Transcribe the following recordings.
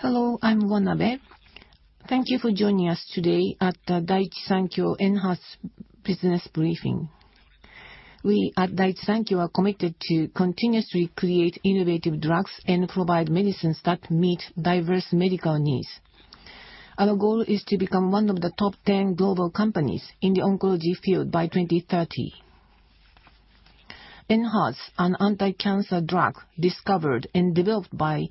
Hello, I'm Manabe. Thank you for joining us today at the Daiichi Sankyo ENHERTU Business Briefing. We at Daiichi Sankyo are committed to continuously create innovative drugs and provide medicines that meet diverse medical needs. Our goal is to become one of the top 10 global companies in the oncology field by 2030. ENHERTU, an anticancer drug discovered and developed by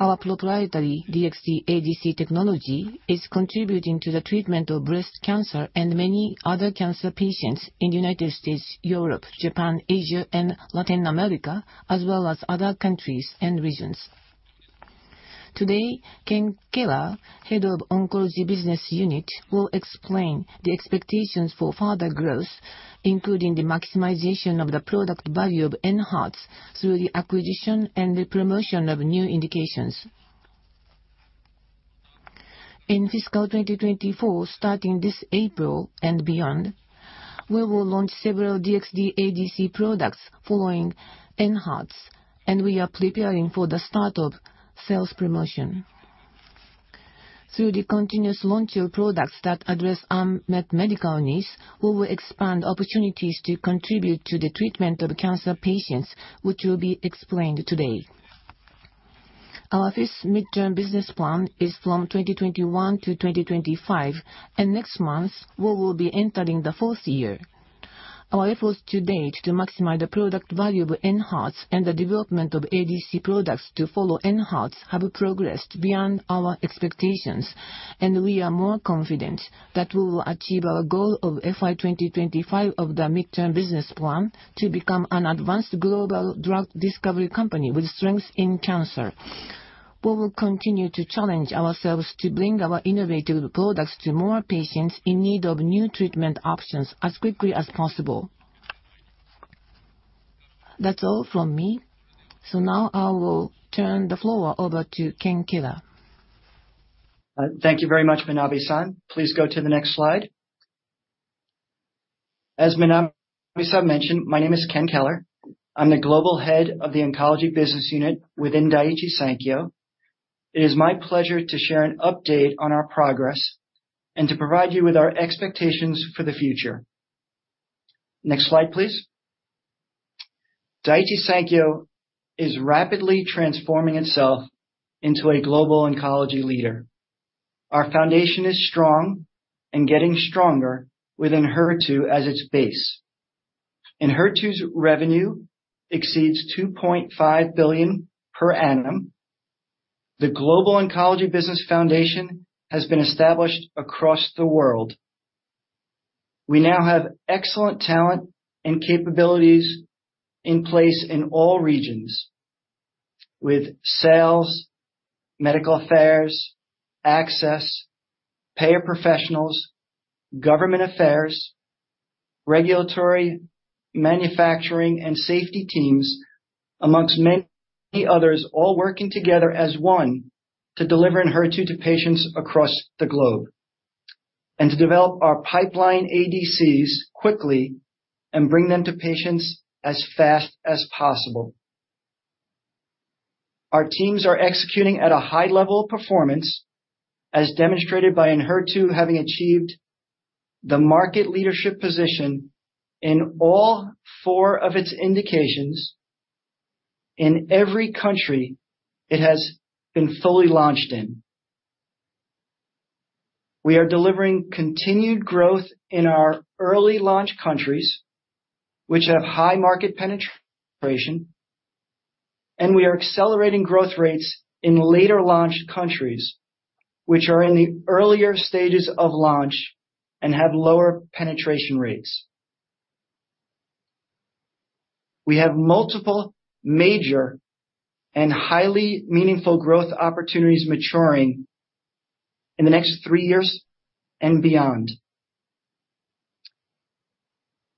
our proprietary DXd-ADC technology, is contributing to the treatment of breast cancer and many other cancer patients in the United States, Europe, Japan, Asia, and Latin America, as well as other countries and regions. Today, Ken Keller, Head of Oncology Business Unit, will explain the expectations for further growth, including the maximization of the product value of ENHERTU through the acquisition and the promotion of new indications. In fiscal 2024, starting this April and beyond, we will launch several DXd-ADC products following ENHERTU, and we are preparing for the start of sales promotion. Through the continuous launch of products that address unmet medical needs, we will expand opportunities to contribute to the treatment of cancer patients, which will be explained today. Our fifth midterm business plan is from 2021 to 2025, and next month, we will be entering the fourth year. Our efforts to date to maximize the product value of ENHERTU and the development of ADC products to follow ENHERTU have progressed beyond our expectations, and we are more confident that we will achieve our goal of FY 2025 of the midterm business plan to become an advanced global drug discovery company with strength in cancer. We will continue to challenge ourselves to bring our innovative products to more patients in need of new treatment options as quickly as possible. That's all from me. Now I will turn the floor over to Ken Keller. Thank you very much, Manabe-san. Please go to the next slide. As Manabe-san mentioned, my name is Ken Keller. I'm the Global Head of the Oncology Business Unit within Daiichi Sankyo. It is my pleasure to share an update on our progress and to provide you with our expectations for the future. Next slide, please. Daiichi Sankyo is rapidly transforming itself into a global oncology leader. Our foundation is strong and getting stronger with ENHERTU as its base. ENHERTU's revenue exceeds $2.5 billion per annum. The Global Oncology Business Foundation has been established across the world. We now have excellent talent and capabilities in place in all regions with sales, medical affairs, access, payer professionals, government affairs, regulatory, manufacturing, and safety teams, among many others, all working together as one to deliver ENHERTU to patients across the globe, and to develop our pipeline ADCs quickly and bring them to patients as fast as possible. Our teams are executing at a high level of performance, as demonstrated by ENHERTU having achieved the market leadership position in all four of its indications in every country it has been fully launched in. We are delivering continued growth in our early launch countries, which have high market penetration, and we are accelerating growth rates in later launched countries which are in the earlier stages of launch and have lower penetration rates. We have multiple major and highly meaningful growth opportunities maturing in the next three years and beyond.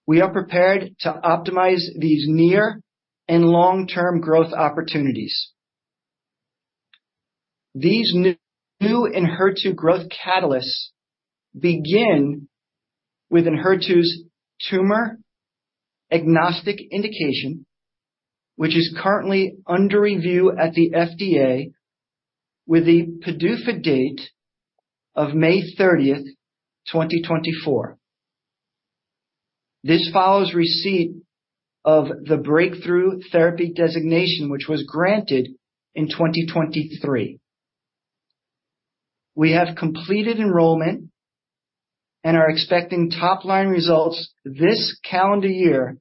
We are prepared to optimize these near and long-term growth opportunities. These new ENHERTU growth catalysts begin with ENHERTU's tumor-agnostic indication, which is currently under review at the FDA with the PDUFA date of May 30, 2024. This follows receipt of the breakthrough therapy designation, which was granted in 2023. We have completed enrollment and are expecting top-line results this calendar year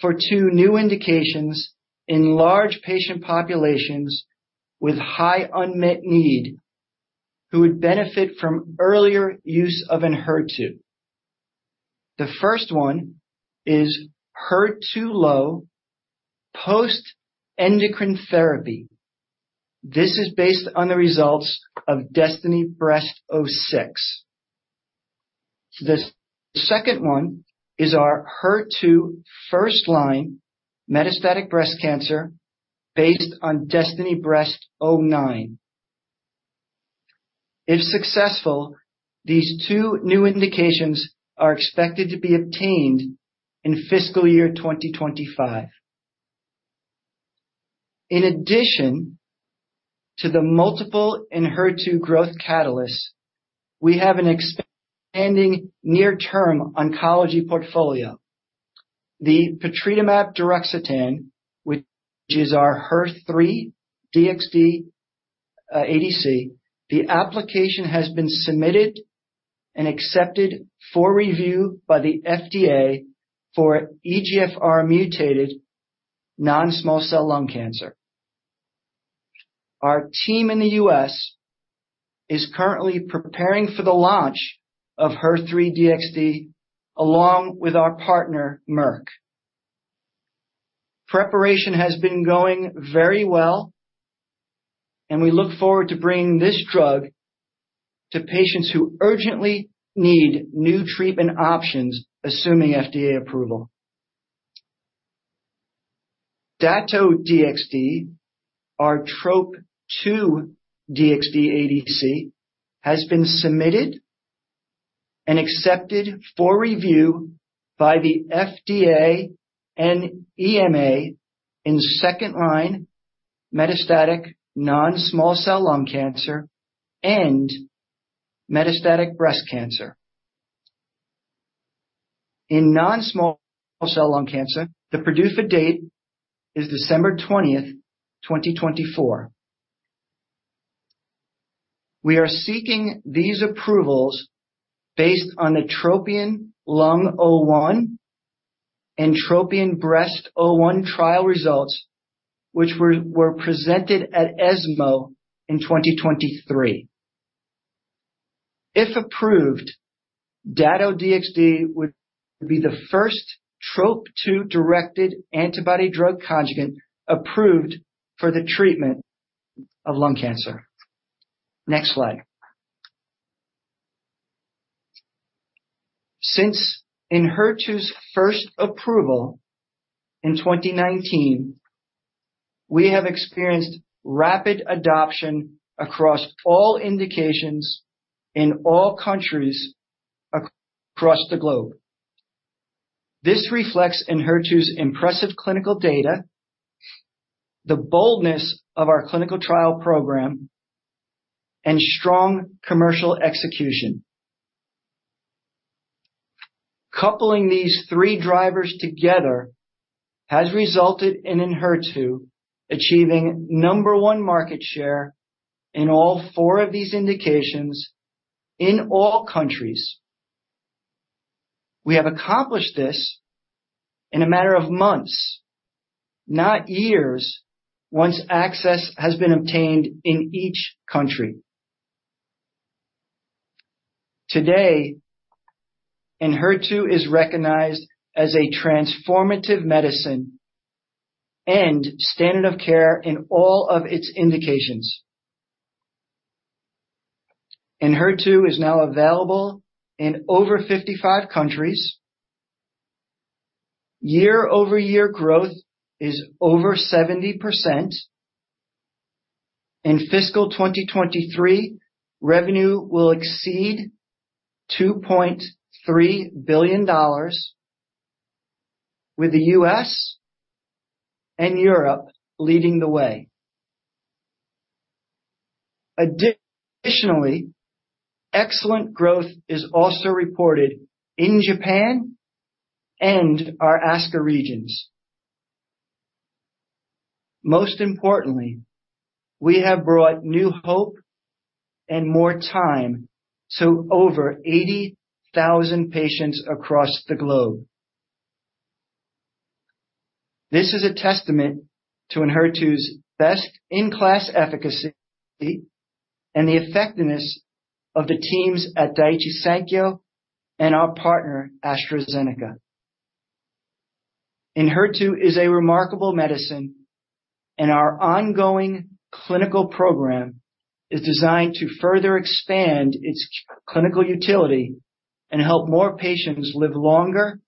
for two new indications in large patient populations with high unmet need, who would benefit from earlier use of ENHERTU. The first one is HER2-low post-endocrine therapy. This is based on the results of DESTINY-Breast06. The second one is our HER2 first-line metastatic breast cancer, based on DESTINY-Breast09. If successful, these two new indications are expected to be obtained in fiscal year 2025. In addition to the multiple ENHERTU growth catalysts, we have an expanding near-term oncology portfolio. The patritumab deruxtecan, which is our HER3-DXd ADC, the application has been submitted and accepted for review by the FDA for EGFR mutated non-small cell lung cancer. Our team in the U.S. is currently preparing for the launch of HER3-DXd, along with our partner, Merck. Preparation has been going very well, and we look forward to bringing this drug to patients who urgently need new treatment options, assuming FDA approval. Dato-DXd, our TROP-2 DXd ADC, has been submitted and accepted for review by the FDA and EMA in second-line metastatic non-small cell lung cancer and metastatic breast cancer. In non-small cell lung cancer, the PDUFA date is December 20th, 2024. We are seeking these approvals based on the TROPION-Lung01 and TROPION-Breast01 trial results, which were presented at ESMO in 2023. If approved, Dato-DXd would be the first TROP2-directed antibody drug conjugate approved for the treatment of lung cancer. Next slide. Since ENHERTU's first approval in 2019, we have experienced rapid adoption across all indications in all countries across the globe. This reflects ENHERTU's impressive clinical data, the boldness of our clinical trial program, and strong commercial execution. Coupling these three drivers together has resulted in ENHERTU achieving number one market share in all four of these indications in all countries. We have accomplished this in a matter of months, not years, once access has been obtained in each country. Today, ENHERTU is recognized as a transformative medicine and standard of care in all of its indications. ENHERTU is now available in over 55 countries. Year-over-year growth is over 70%. In fiscal 2023, revenue will exceed $2.3 billion, with the U.S. and Europe leading the way. Additionally, excellent growth is also reported in Japan and our ASCA regions. Most importantly, we have brought new hope and more time to over 80,000 patients across the globe. This is a testament to ENHERTU's best-in-class efficacy and the effectiveness of the teams at Daiichi Sankyo and our partner, AstraZeneca. ENHERTU is a remarkable medicine, and our ongoing clinical program is designed to further expand its clinical utility and help more patients live longer,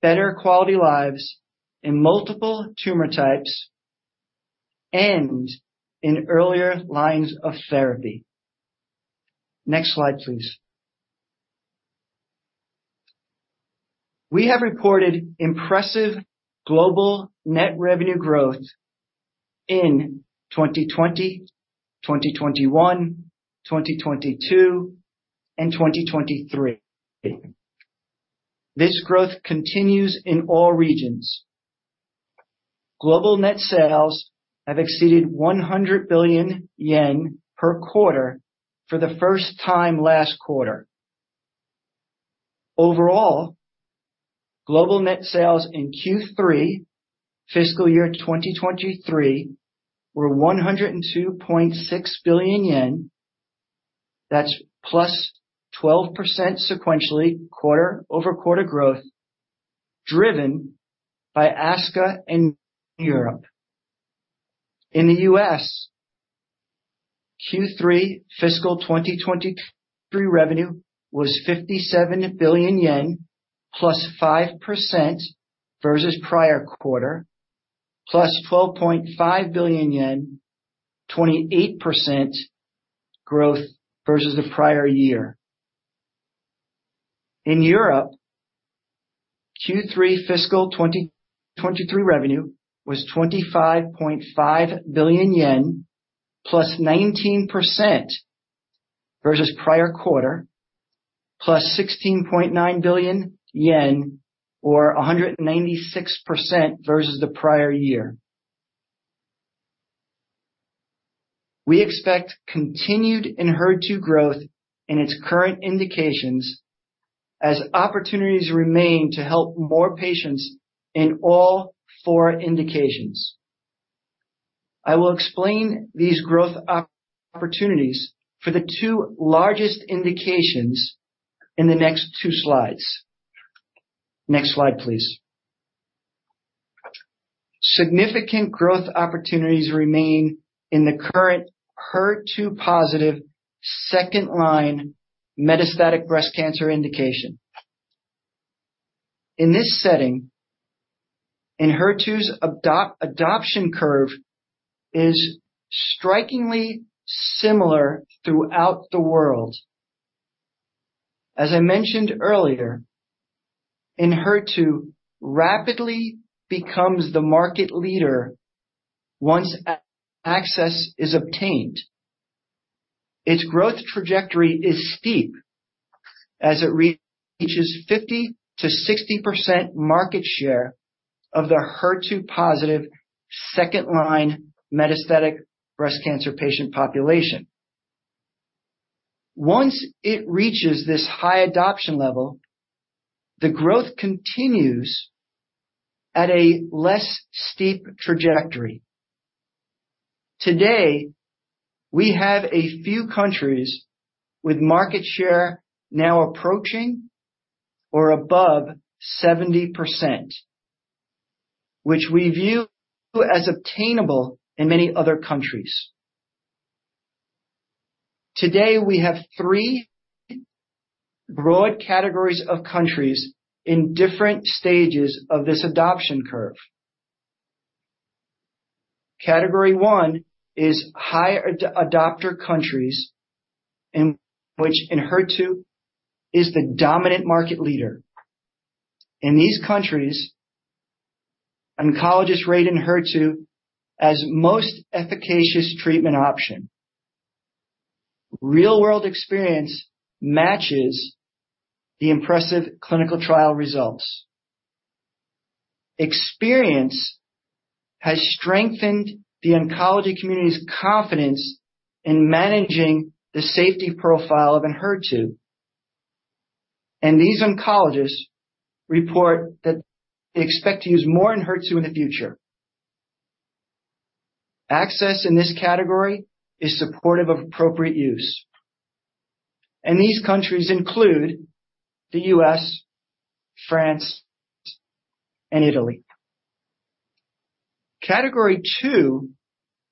better quality lives in multiple tumor types and in earlier lines of therapy. Next slide, please. We have reported impressive global net revenue growth in 2020, 2021, 2022, and 2023. This growth continues in all regions. Global net sales have exceeded 100 billion yen per quarter for the first time last quarter. Overall, global net sales in Q3 fiscal year 2023 were 102.6 billion yen. That's +12% sequentially, quarter-over-quarter growth, driven by ASCA and Europe. In the U.S., Q3 fiscal 2023 revenue was 57 billion yen, +5% versus prior quarter, +12.5 billion yen, 28% growth versus the prior year. In Europe, Q3 fiscal 2023 revenue was JPY 25.5 billion, +19% versus prior quarter, +16.9 billion yen, or 196% versus the prior year. We expect continued ENHERTU growth in its current indications as opportunities remain to help more patients in all four indications. I will explain these growth opportunities for the two largest indications in the next two slides. Next slide, please. Significant growth opportunities remain in the current HER2 positive second line metastatic breast cancer indication. In this setting, ENHERTU's adoption curve is strikingly similar throughout the world. As I mentioned earlier, ENHERTU rapidly becomes the market leader once access is obtained. Its growth trajectory is steep as it reaches 50%-60% market share of the HER2 positive second line metastatic breast cancer patient population. Once it reaches this high adoption level, the growth continues at a less steep trajectory. Today, we have a few countries with market share now approaching or above 70%, which we view as obtainable in many other countries. Today, we have three broad categories of countries in different stages of this adoption curve. Category one is high adopter countries, in which ENHERTU is the dominant market leader. In these countries, oncologists rate ENHERTU as most efficacious treatment option. Real-world experience matches the impressive clinical trial results. Experience has strengthened the oncology community's confidence in managing the safety profile of ENHERTU, and these oncologists report that they expect to use more ENHERTU in the future. Access in this category is supportive of appropriate use, and these countries include the U.S., France, and Italy. Category two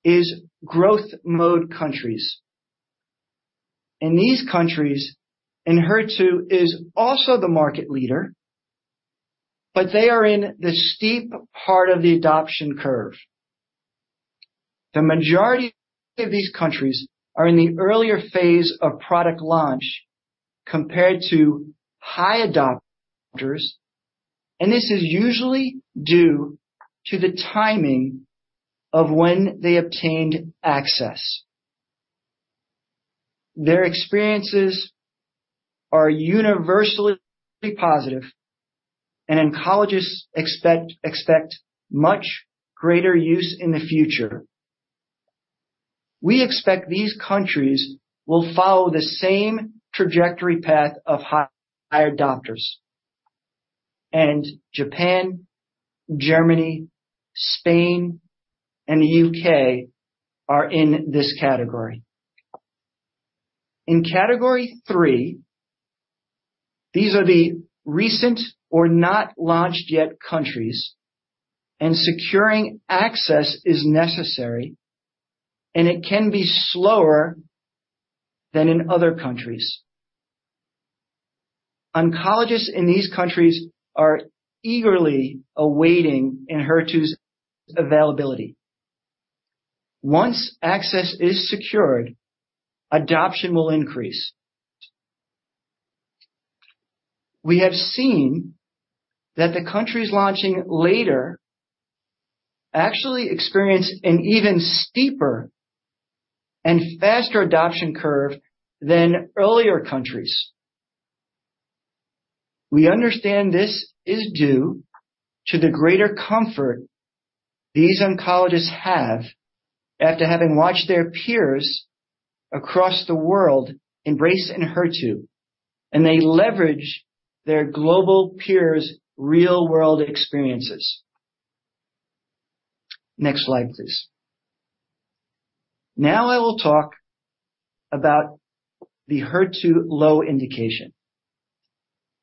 is growth mode countries. In these countries, ENHERTU is also the market leader, but they are in the steep part of the adoption curve. The majority of these countries are in the earlier phase of product launch compared to high adopters, and this is usually due to the timing of when they obtained access. Their experiences are universally positive, and oncologists expect, expect much greater use in the future. We expect these countries will follow the same trajectory path of high, high adopters, and Japan, Germany, Spain, and the U.K. are in this category. In category three, these are the recent or not launched yet countries, and securing access is necessary, and it can be slower than in other countries. Oncologists in these countries are eagerly awaiting ENHERTU's availability. Once access is secured, adoption will increase. We have seen that the countries launching later actually experience an even steeper and faster adoption curve than earlier countries. We understand this is due to the greater comfort these oncologists have after having watched their peers across the world embrace ENHERTU, and they leverage their global peers' real-world experiences. Next slide, please. Now I will talk about the HER2-low indication.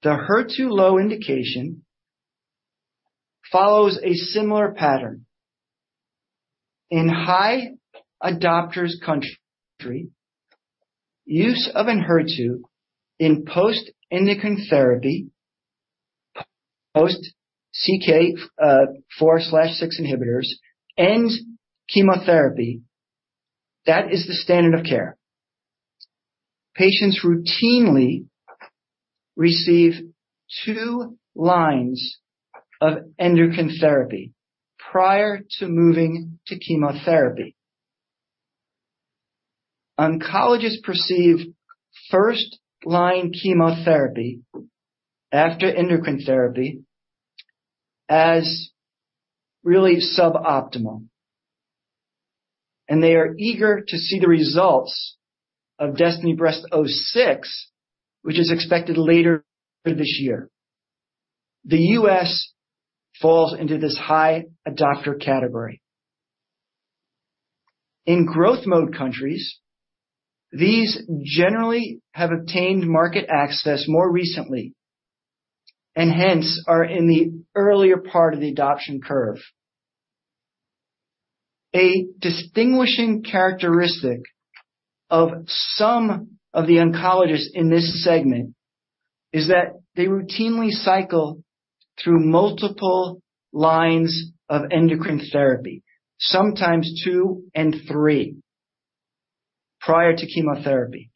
The HER2-low indication follows a similar pattern. In high adopter countries, use of ENHERTU in post-endocrine therapy, post CDK 4/6 inhibitors and chemotherapy, that is the standard of care. Patients routinely receive two lines of endocrine therapy prior to moving to chemotherapy. Oncologists perceive first-line chemotherapy after endocrine therapy as really suboptimal, and they are eager to see the results of DESTINY-Breast06, which is expected later this year. The U.S. falls into this high adopter category. In growth mode countries, these generally have obtained market access more recently, and hence are in the earlier part of the adoption curve. A distinguishing characteristic of some of the oncologists in this segment is that they routinely cycle through multiple lines of endocrine therapy, sometimes two and three, prior to chemotherapy.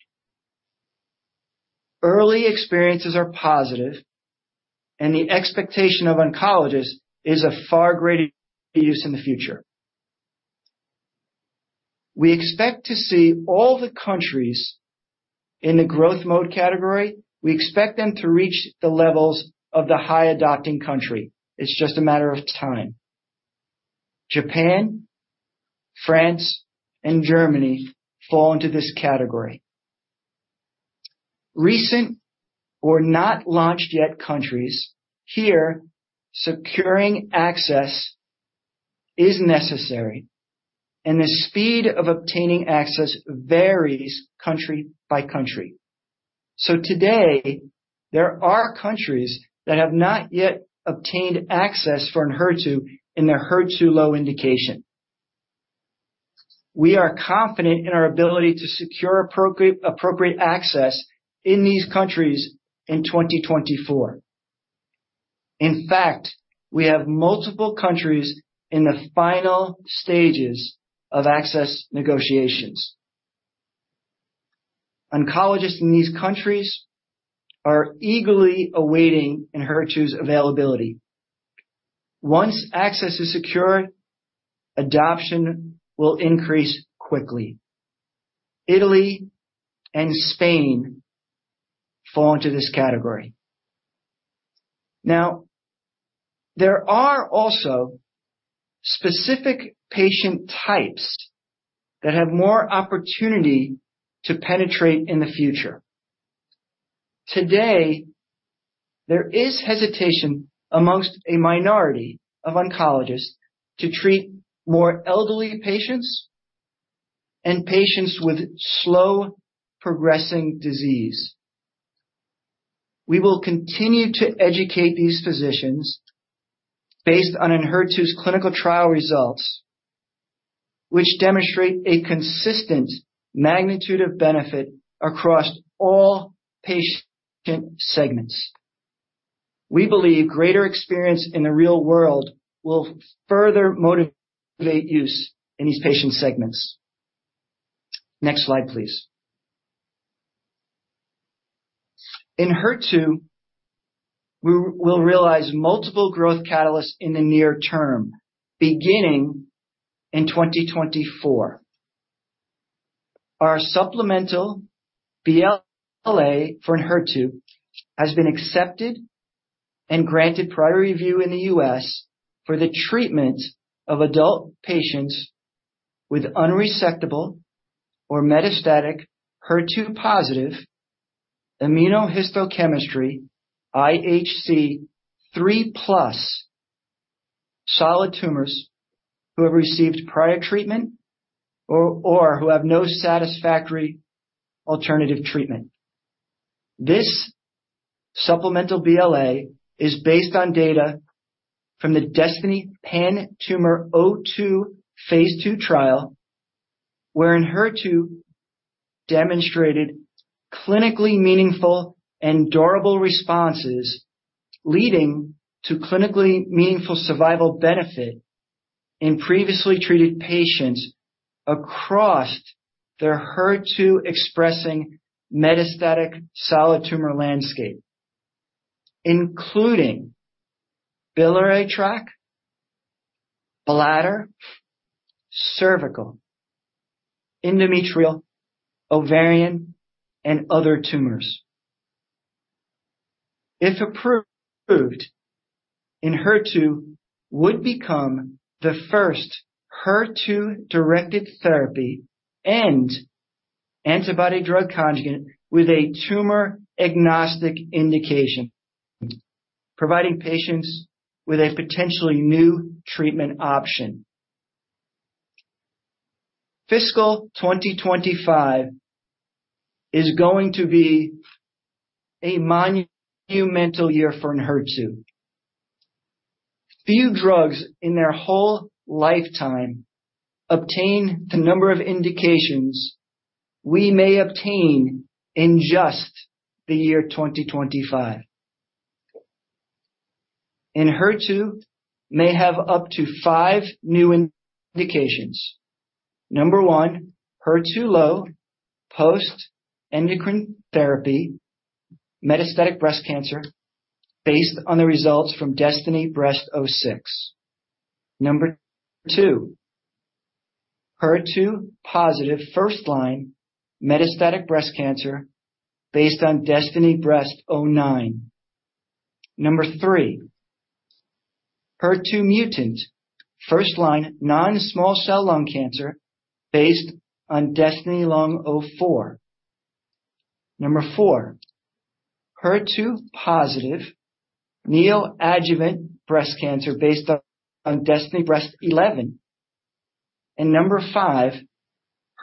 Early experiences are positive, and the expectation of oncologists is a far greater use in the future. We expect to see all the countries in the growth mode category. We expect them to reach the levels of the high adopting country. It's just a matter of time. Japan, France, and Germany fall into this category. Recent or not launched yet countries, here, securing access is necessary, and the speed of obtaining access varies country by country. So today, there are countries that have not yet obtained access for ENHERTU in their HER2-low indication. We are confident in our ability to secure appropriate, appropriate access in these countries in 2024. In fact, we have multiple countries in the final stages of access negotiations. Oncologists in these countries are eagerly awaiting ENHERTU's availability. Once access is secure, adoption will increase quickly. Italy and Spain fall into this category. Now, there are also specific patient types that have more opportunity to penetrate in the future. Today, there is hesitation amongst a minority of oncologists to treat more elderly patients and patients with slow-progressing disease. We will continue to educate these physicians based on ENHERTU's clinical trial results, which demonstrate a consistent magnitude of benefit across all patient segments. We believe greater experience in the real world will further motivate use in these patient segments. Next slide, please. ENHERTU, we'll realize multiple growth catalysts in the near term, beginning in 2024. Our supplemental BLA for ENHERTU has been accepted and granted priority review in the U.S. for the treatment of adult patients with unresectable or metastatic, HER2-positive immunohistochemistry, IHC 3+ solid tumors, who have received prior treatment or who have no satisfactory alternative treatment. This supplemental BLA is based on data from the DESTINY-PanTumor02, phase 2 trial, where ENHERTU demonstrated clinically meaningful and durable responses, leading to clinically meaningful survival benefit in previously treated patients across the HER2-expressing metastatic solid tumor landscape, including biliary tract, bladder, cervical, endometrial, ovarian, and other tumors. If approved, ENHERTU would become the first HER2-directed therapy and antibody drug conjugate with a tumor-agnostic indication, providing patients with a potentially new treatment option. Fiscal 2025 is going to be a monumental year for ENHERTU.... Few drugs in their whole lifetime obtain the number of indications we may obtain in just the year 2025. ENHERTU may have up to 5 new indications. Number 1, HER2-low post-endocrine therapy, metastatic breast cancer, based on the results from DESTINY-Breast06. Number 2, HER2-positive first-line metastatic breast cancer, based on DESTINY-Breast09. Number 3, HER2-mutant first-line non-small cell lung cancer, based on DESTINY-Lung04. Number 4, HER2-positive neoadjuvant breast cancer, based on DESTINY-Breast11. Number 5,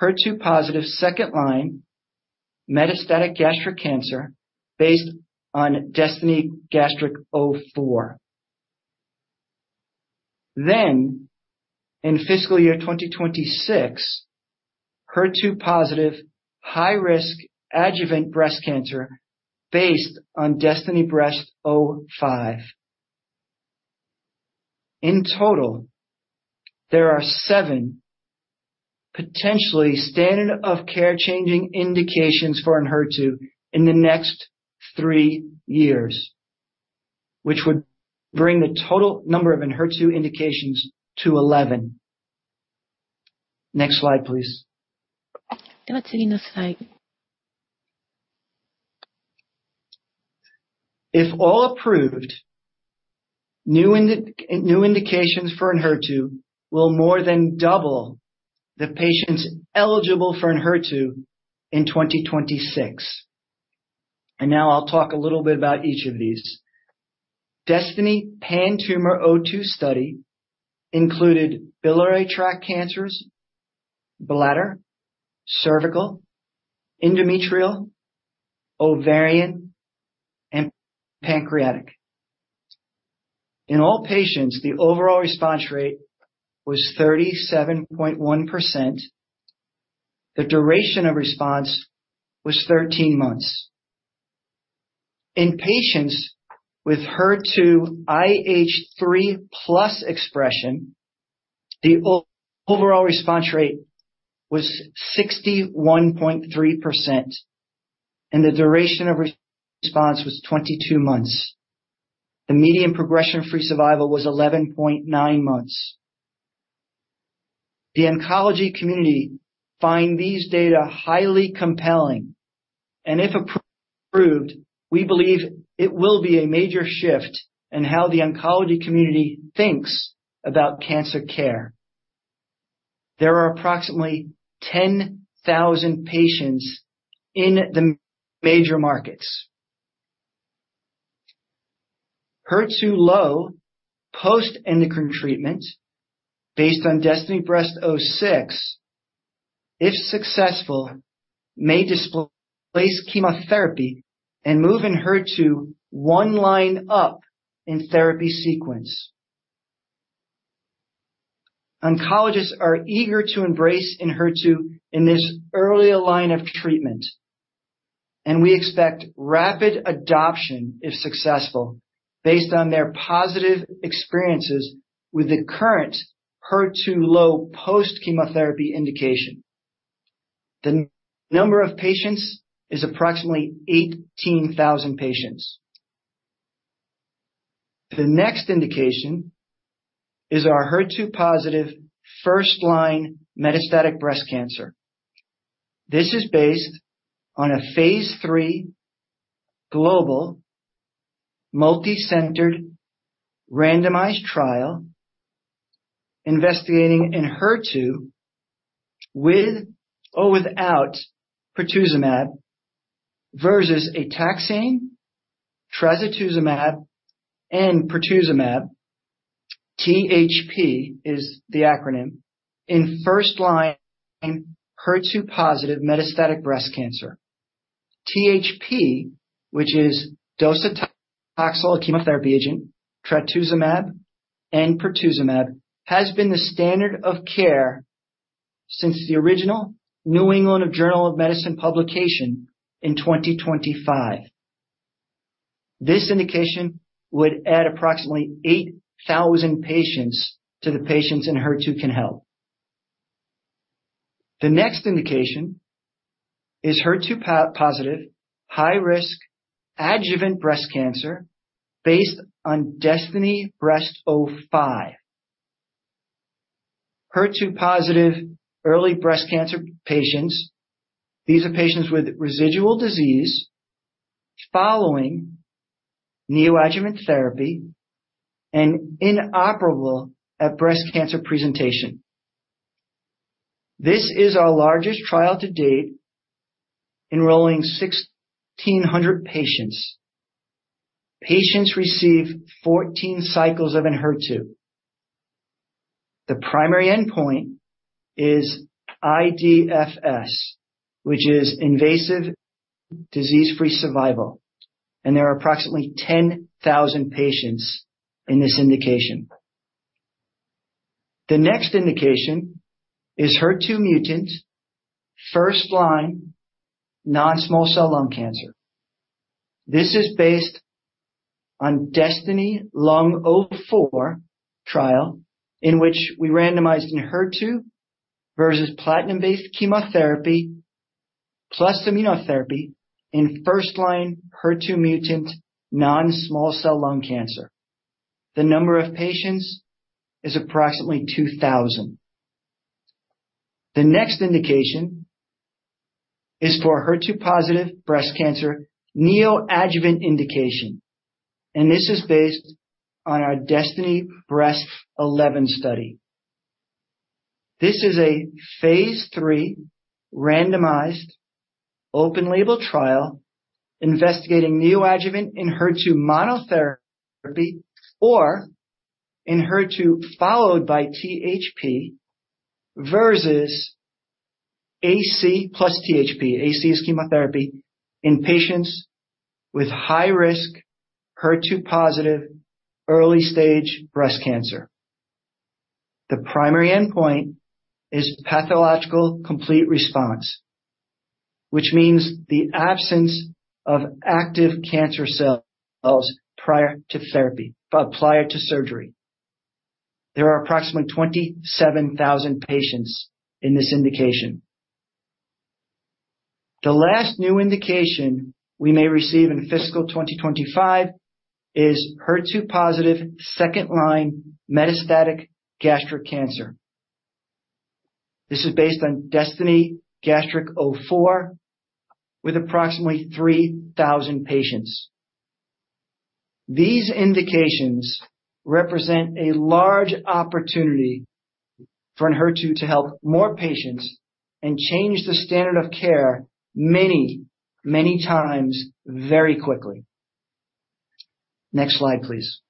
HER2-positive second-line metastatic gastric cancer, based on DESTINY-Gastric04. In fiscal year 2026, HER2-positive high-risk adjuvant breast cancer, based on DESTINY-Breast05. In total, there are 7 potentially standard of care-changing indications for ENHERTU in the next three years, which would bring the total number of ENHERTU indications to 11. Next slide, please. If all approved, new indications for ENHERTU will more than double the patients eligible for ENHERTU in 2026. Now I'll talk a little bit about each of these. DESTINY-PanTumor02 study included biliary tract cancers, bladder, cervical, endometrial, ovarian, and pancreatic. In all patients, the overall response rate was 37.1%. The duration of response was 13 months. In patients with HER2 IHC 3+ expression, the overall response rate was 61.3%, and the duration of response was 22 months. The median progression-free survival was 11.9 months. The oncology community find these data highly compelling, and if approved, we believe it will be a major shift in how the oncology community thinks about cancer care. There are approximately 10,000 patients in the major markets. HER2-low post-endocrine treatment based on DESTINY-Breast06, if successful, may displace chemotherapy and move ENHERTU one line up in therapy sequence. Oncologists are eager to embrace ENHERTU in this earlier line of treatment, and we expect rapid adoption if successful, based on their positive experiences with the current HER2-low post-chemotherapy indication. The number of patients is approximately 18,000 patients. The next indication is our HER2-positive first-line metastatic breast cancer. This is based on a phase 3 global, multicenter, randomized trial investigating ENHERTU with or without pertuzumab versus a taxane, trastuzumab, and pertuzumab, THP is the acronym, in first-line HER2-positive metastatic breast cancer. THP, which is docetaxel, a chemotherapy agent, trastuzumab, and pertuzumab, has been the standard of care since the original New England Journal of Medicine publication in 2025. This indication would add approximately 8,000 patients to the patients ENHERTU can help. The next indication is HER2-positive, high-risk adjuvant breast cancer based on DESTINY-Breast05. HER2-positive early breast cancer patients, these are patients with residual disease following neoadjuvant therapy and inoperable HER2 breast cancer presentation. This is our largest trial to date, enrolling 1,600 patients. Patients receive 14 cycles of ENHERTU. The primary endpoint is iDFS, which is invasive disease-free survival, and there are approximately 10,000 patients in this indication. The next indication is HER2-mutant, first-line, non-small cell lung cancer. This is based on DESTINY-Lung04 trial, in which we randomized ENHERTU versus platinum-based chemotherapy, plus immunotherapy in first line HER2-mutant, non-small cell lung cancer. The number of patients is approximately 2,000. The next indication is for HER2-positive breast cancer, neoadjuvant indication, and this is based on our DESTINY-Breast11 study. This is a phase 3 randomized open label trial investigating neoadjuvant ENHERTU monotherapy or ENHERTU, followed by THP versus AC plus THP. AC is chemotherapy in patients with high risk, HER2-positive, early-stage breast cancer. The primary endpoint is pathological complete response, which means the absence of active cancer cells prior to therapy, prior to surgery. There are approximately 27,000 patients in this indication. The last new indication we may receive in fiscal 2025 is HER2-positive second-line metastatic gastric cancer. This is based on DESTINY-Gastric04, with approximately 3,000 patients. These indications represent a large opportunity for ENHERTU to help more patients and change the standard of care many, many times very quickly. Next slide, please.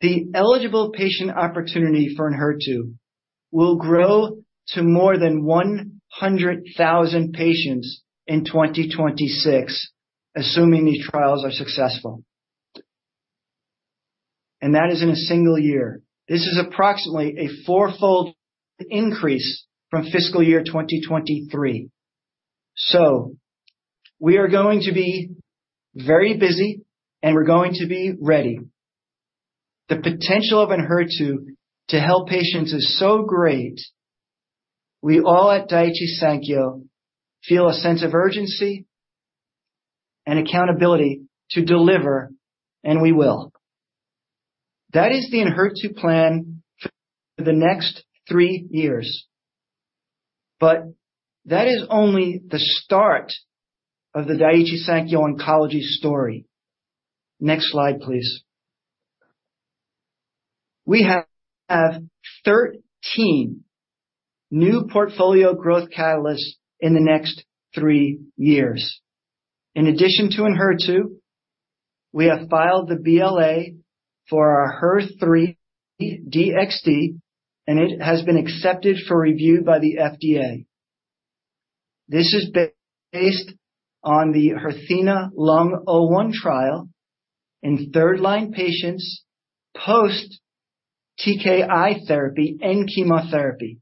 The eligible patient opportunity for ENHERTU will grow to more than 100,000 patients in 2026, assuming these trials are successful. And that is in a single year. This is approximately a four-fold increase from fiscal year 2023. So we are going to be very busy, and we're going to be ready. The potential of ENHERTU to help patients is so great, we all at Daiichi Sankyo feel a sense of urgency and accountability to deliver, and we will. That is the ENHERTU plan for the next three years, but that is only the start of the Daiichi Sankyo oncology story. Next slide, please. We have 13 new portfolio growth catalysts in the next three years. In addition to ENHERTU, we have filed the BLA for our HER3-DXd, and it has been accepted for review by the FDA. This is based on the HERTHENA-Lung01 trial in third-line patients post TKI therapy and chemotherapy.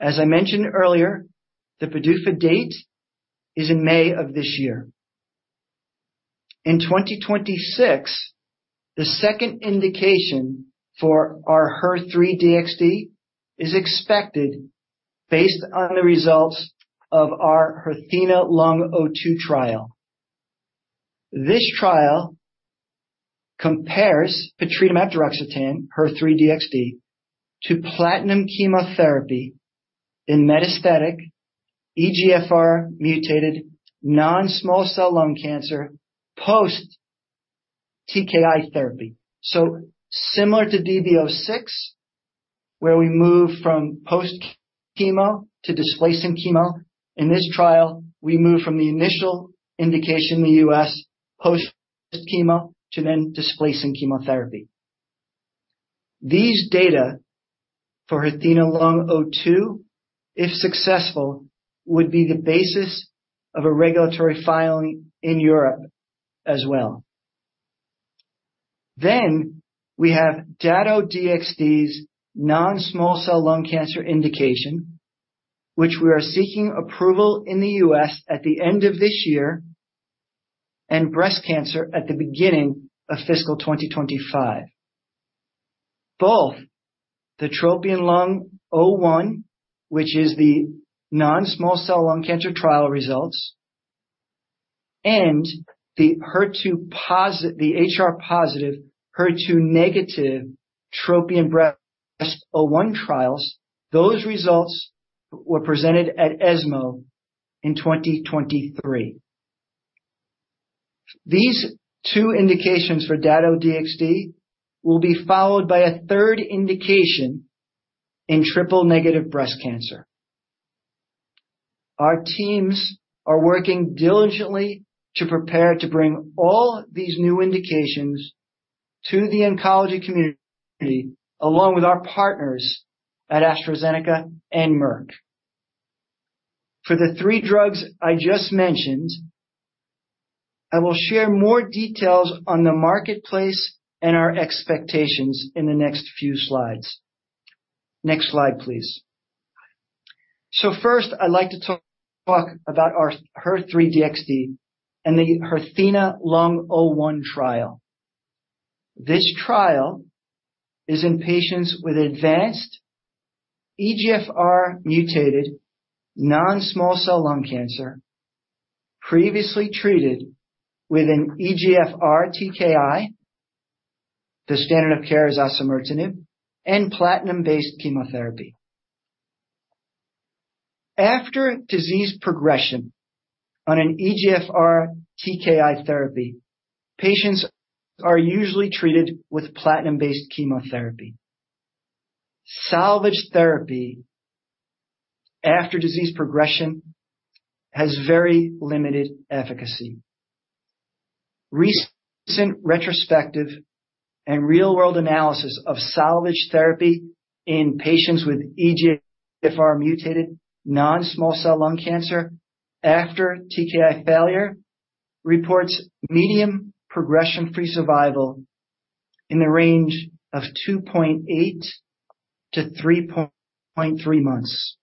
As I mentioned earlier, the PDUFA date is in May of this year. In 2026, the second indication for our HER3-DXd is expected based on the results of our HERTHENA-Lung02 trial. This trial compares patritumab deruxtecan, HER3-DXd, to platinum chemotherapy in metastatic EGFR-mutated non-small cell lung cancer post TKI therapy. So similar to DB zero six, where we move from post chemo to displacing chemo. In this trial, we move from the initial indication in the U.S., post chemo, to then displacing chemotherapy. These data for HERTHENA-Lung02, if successful, would be the basis of a regulatory filing in Europe as well. Then we have Dato-DXd's non-small cell lung cancer indication, which we are seeking approval in the U.S. at the end of this year, and breast cancer at the beginning of fiscal 2025. Both the TROPION-Lung01, which is the non-small cell lung cancer trial results, and the HER2 posi-- the HR positive, HER2 negative TROPION-Breast01 trials, those results were presented at ESMO in 2023. These two indications for Dato-DXd will be followed by a third indication in triple-negative breast cancer.... Our teams are working diligently to prepare to bring all these new indications to the oncology community, along with our partners at AstraZeneca and Merck. For the three drugs I just mentioned, I will share more details on the marketplace and our expectations in the next few slides. Next slide, please. So first, I'd like to talk about our HER3-DXd and the HERTHENA-Lung01 trial. This trial is in patients with advanced EGFR mutated non-small cell lung cancer, previously treated with an EGFR TKI. The standard of care is osimertinib and platinum-based chemotherapy. After disease progression on an EGFR TKI therapy, patients are usually treated with platinum-based chemotherapy. Salvage therapy after disease progression has very limited efficacy. Recent retrospective and real-world analysis of salvage therapy in patients with EGFR mutated non-small cell lung cancer after TKI failure reports median progression-free survival in the range of 2.8-3.3 months.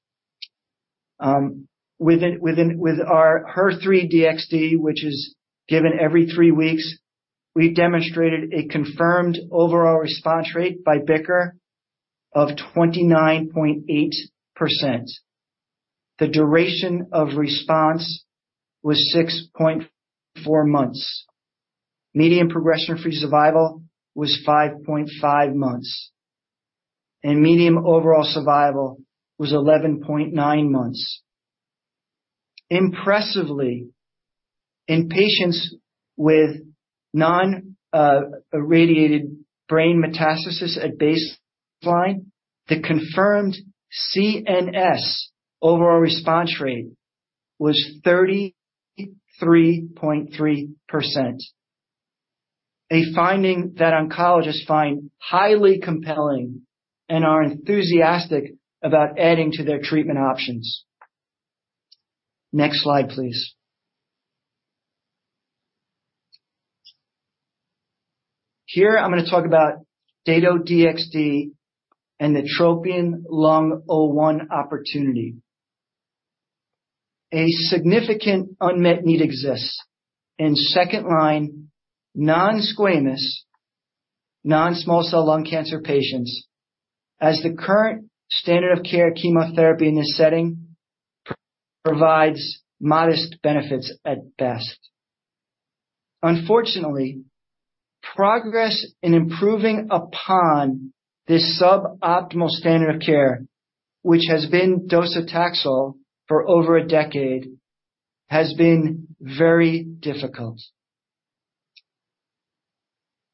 Within with our HER3-DXd, which is given every three weeks, we demonstrated a confirmed overall response rate by BICR of 29.8%. The duration of response was 6.4 months. Median progression-free survival was 5.5 months, and median overall survival was 11.9 months. Impressively, in patients with non-irradiated brain metastasis at baseline, the confirmed CNS overall response rate was 33.3%, a finding that oncologists find highly compelling and are enthusiastic about adding to their treatment options. Next slide, please. Here, I'm gonna talk about Dato-DXd and the TROPION-Lung01 opportunity. A significant unmet need exists in second-line non-squamous, non-small cell lung cancer patients, as the current standard of care chemotherapy in this setting provides modest benefits at best. Unfortunately, progress in improving upon this suboptimal standard of care, which has been docetaxel for over a decade, has been very difficult.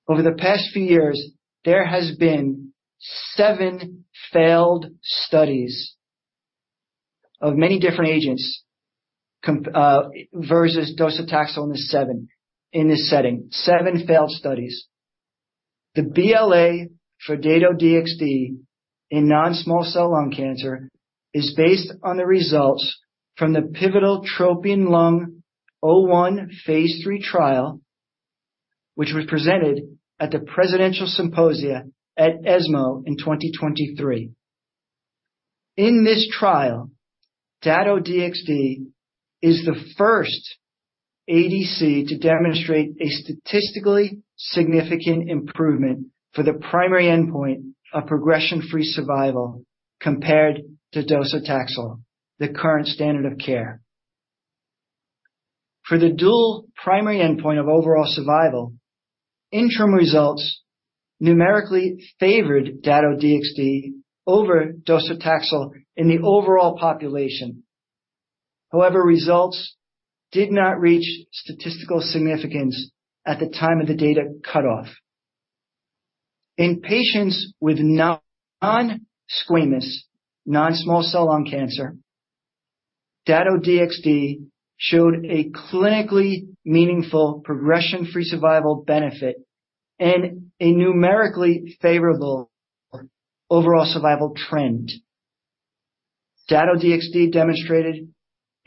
Over the past few years, there has been seven failed studies of many different agents versus docetaxel in this setting. The BLA for Dato-DXd in non-small cell lung cancer is based on the results from the pivotal TROPION-Lung01 phase 3 trial, which was presented at the Presidential Symposia at ESMO in 2023. In this trial, Dato-DXd is the first ADC to demonstrate a statistically significant improvement for the primary endpoint of progression-free survival compared to docetaxel, the current standard of care. For the dual primary endpoint of overall survival, interim results numerically favored Dato-DXd over docetaxel in the overall population. However, results did not reach statistical significance at the time of the data cutoff. In patients with non-squamous, non-small cell lung cancer, Dato-DXd showed a clinically meaningful progression-free survival benefit and a numerically favorable overall survival trend. Dato-DXd demonstrated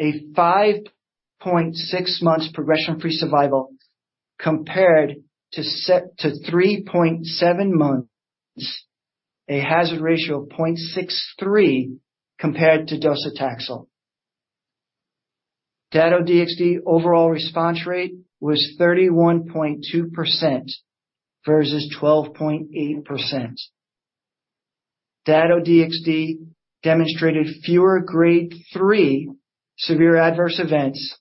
a 5.6 months progression-free survival compared to three point seven months, a hazard ratio of 0.63 compared to docetaxel. Dato-DXd overall response rate was 31.2% versus 12.8%. Dato-DXd demonstrated fewer Grade 3 severe adverse events,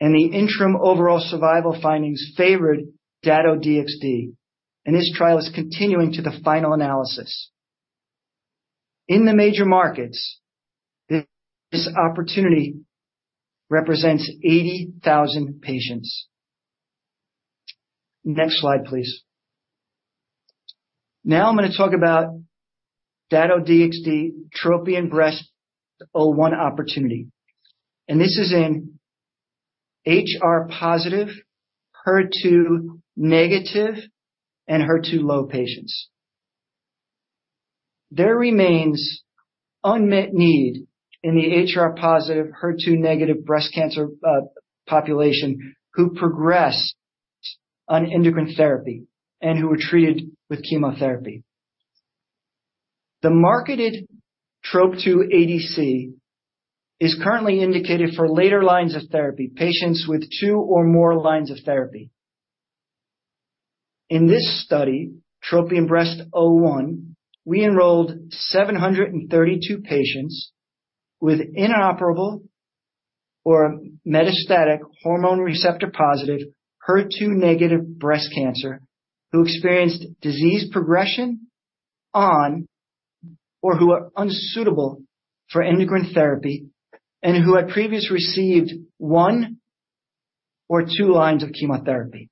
and the interim overall survival findings favored Dato-DXd, and this trial is continuing to the final analysis. In the major markets, this opportunity represents 80,000 patients. Next slide, please.... Now I'm gonna talk about Dato-DXd TROPION-Breast01 opportunity, and this is in HR-positive, HER2-negative, and HER2-low patients. There remains unmet need in the HR-positive, HER2-negative breast cancer population, who progress on endocrine therapy and who were treated with chemotherapy. The marketed TROP2 ADC is currently indicated for later lines of therapy, patients with two or more lines of therapy. In this study, TROPION-Breast01, we enrolled 732 patients with inoperable or metastatic hormone receptor-positive, HER2-negative breast cancer, who experienced disease progression on or who are unsuitable for endocrine therapy, and who had previously received one or two lines of chemotherapy.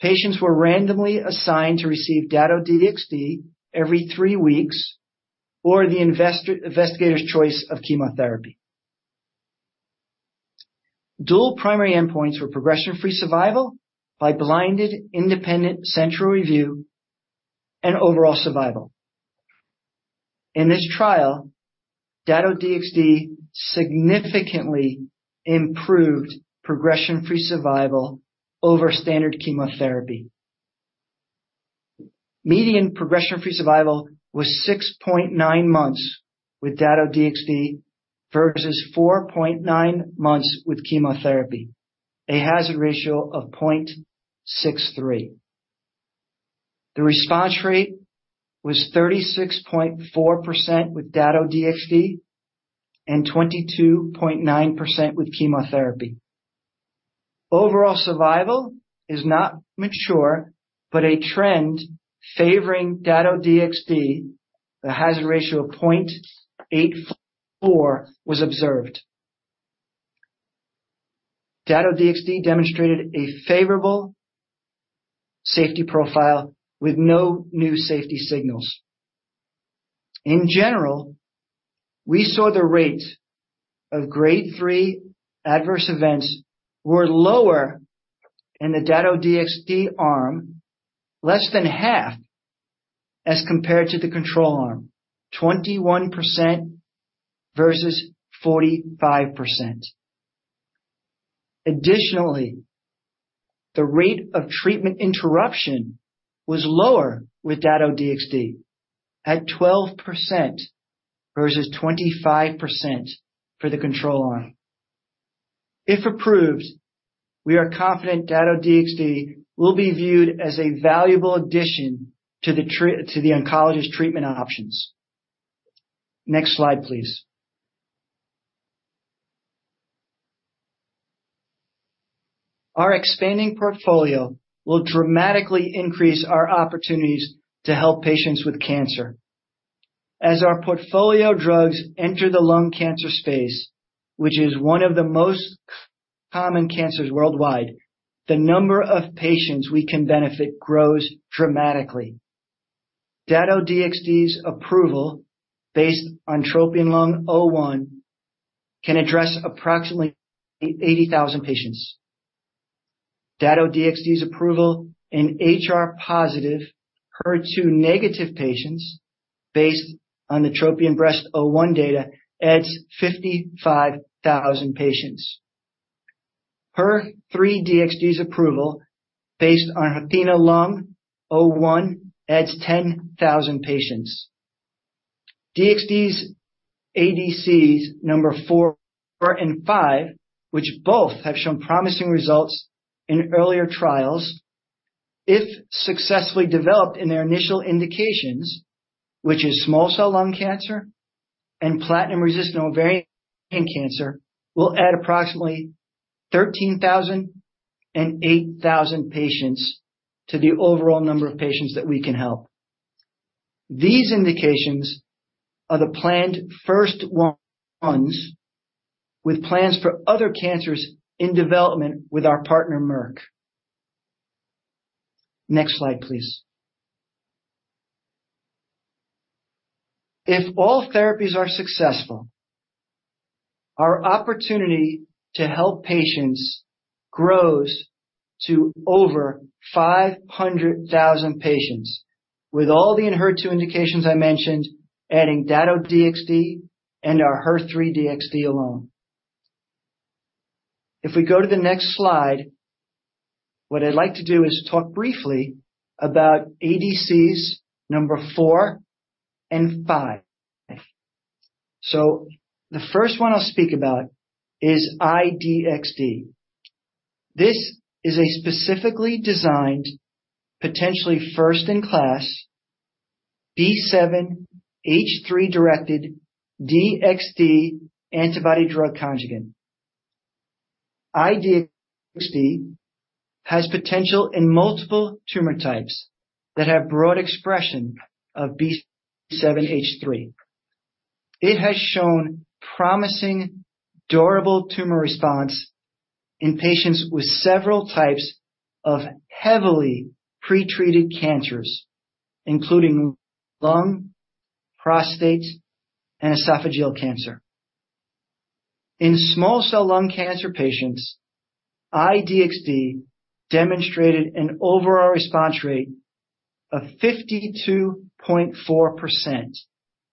Patients were randomly assigned to receive Dato-DXd every three weeks or the investigator's choice of chemotherapy. Dual primary endpoints were progression-free survival by blinded, independent, central review and overall survival. In this trial, Dato-DXd significantly improved progression-free survival over standard chemotherapy. Median progression-free survival was 6.9 months with Dato-DXd versus 4.9 months with chemotherapy, a hazard ratio of 0.63. The response rate was 36.4% with Dato-DXd and 22.9% with chemotherapy. Overall survival is not mature, but a trend favoring Dato-DXd, the hazard ratio of 0.84, was observed. Dato-DXd demonstrated a favorable safety profile with no new safety signals. In general, we saw the rate of grade three adverse events were lower in the Dato-DXd arm, less than half as compared to the control arm, 21% versus 45%. Additionally, the rate of treatment interruption was lower with Dato-DXd at 12% versus 25% for the control arm. If approved, we are confident Dato-DXd will be viewed as a valuable addition to the oncologist treatment options. Next slide, please. Our expanding portfolio will dramatically increase our opportunities to help patients with cancer. As our portfolio drugs enter the lung cancer space, which is one of the most common cancers worldwide, the number of patients we can benefit grows dramatically. Dato-DXd's approval, based on TROPION-Lung01, can address approximately 80,000 patients. Dato-DXd's approval in HR-positive, HER2-negative patients, based on the TROPION-Breast01 data, adds 55,000 patients. HER3-DXd's approval, based on HERTHENA-Lung01, adds 10,000 patients. DXd's ADCs number four and five, which both have shown promising results in earlier trials, if successfully developed in their initial indications, which is small cell lung cancer and platinum-resistant ovarian cancer, will add approximately 13,000 and 8,000 patients to the overall number of patients that we can help. These indications are the planned first ones, with plans for other cancers in development with our partner, Merck. Next slide, please. If all therapies are successful, our opportunity to help patients grows to over 500,000 patients, with all the ENHERTU indications I mentioned, adding Dato-DXd and our HER3-DXd alone. If we go to the next slide, what I'd like to do is talk briefly about ADCs number four and five. So the first one I'll speak about is I-DXd. This is a specifically designed, potentially first-in-class, B7-H3-directed DXd antibody drug conjugate. I-DXd has potential in multiple tumor types that have broad expression of B7-H3.... It has shown promising durable tumor response in patients with several types of heavily pretreated cancers, including lung, prostate, and esophageal cancer. In small cell lung cancer patients, I-DXd demonstrated an overall response rate of 52.4%,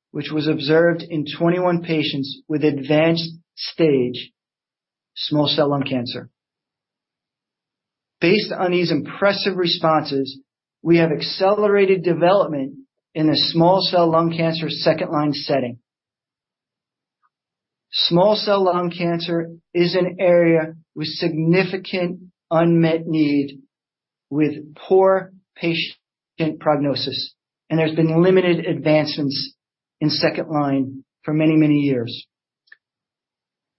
which was observed in 21 patients with advanced stage small cell lung cancer. Based on these impressive responses, we have accelerated development in the small cell lung cancer second-line setting. Small cell lung cancer is an area with significant unmet need, with poor patient prognosis, and there's been limited advancements in second line for many, many years.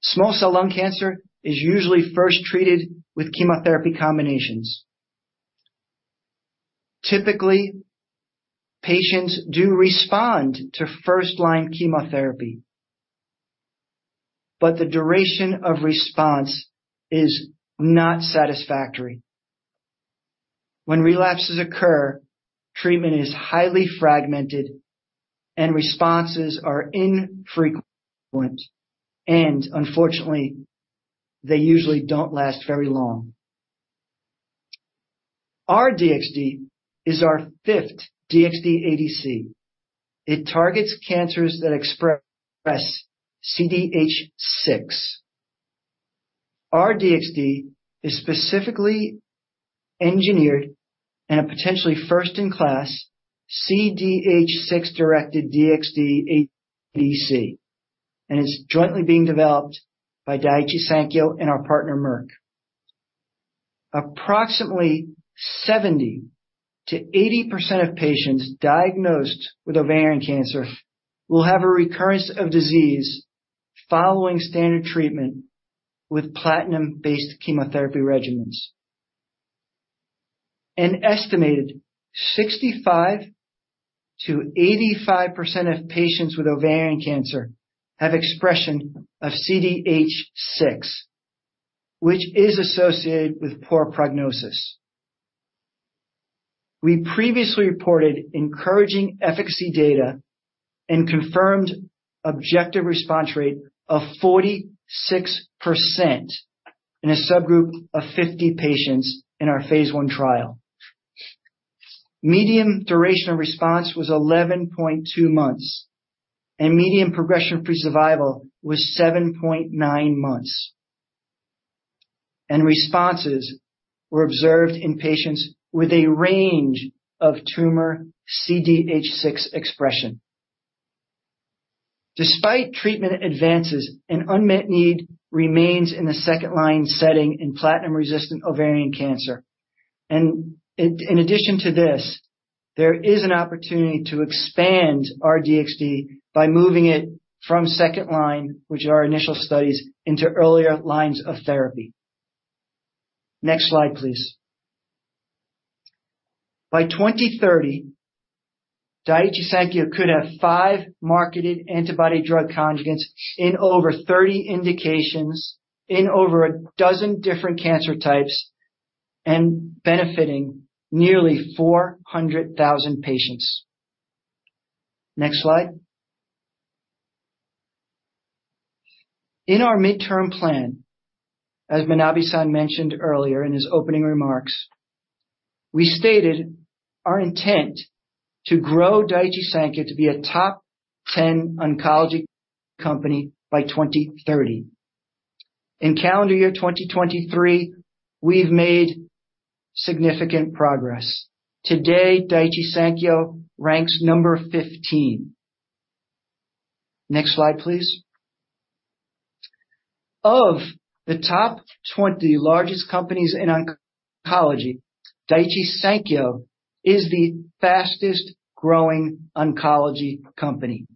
Small cell lung cancer is usually first treated with chemotherapy combinations. Typically, patients do respond to first-line chemotherapy, but the duration of response is not satisfactory. When relapses occur, treatment is highly fragmented, and responses are infrequent, and unfortunately, they usually don't last very long. R-DXd is our fifth DXd-ADC. It targets cancers that express CDH6. R-DXd is specifically engineered and a potentially first-in-class CDH6 directed DXd-ADC, and is jointly being developed by Daiichi Sankyo and our partner, Merck. Approximately 70%-80% of patients diagnosed with ovarian cancer will have a recurrence of disease following standard treatment with platinum-based chemotherapy regimens. An estimated 65%-85% of patients with ovarian cancer have expression of CDH6, which is associated with poor prognosis. We previously reported encouraging efficacy data and confirmed objective response rate of 46% in a subgroup of 50 patients in our phase 1 trial. Median duration of response was 11.2 months, and median progression-free survival was 7.9 months, and responses were observed in patients with a range of tumor CDH6 expression. Despite treatment advances, an unmet need remains in the second line setting in platinum-resistant ovarian cancer. In addition to this, there is an opportunity to expand R-DXd by moving it from second line, which are our initial studies, into earlier lines of therapy. Next slide, please. By 2030, Daiichi Sankyo could have five marketed antibody drug conjugates in over 30 indications, in over a dozen different cancer types, and benefiting nearly 400,000 patients. Next slide. In our midterm plan, as Manabe-san mentioned earlier in his opening remarks, we stated our intent to grow Daiichi Sankyo to be a top ten oncology company by 2030. In calendar year 2023, we've made significant progress. Today, Daiichi Sankyo ranks number 15. Next slide, please. Of the top 20 largest companies in oncology, Daiichi Sankyo is the fastest growing oncology company.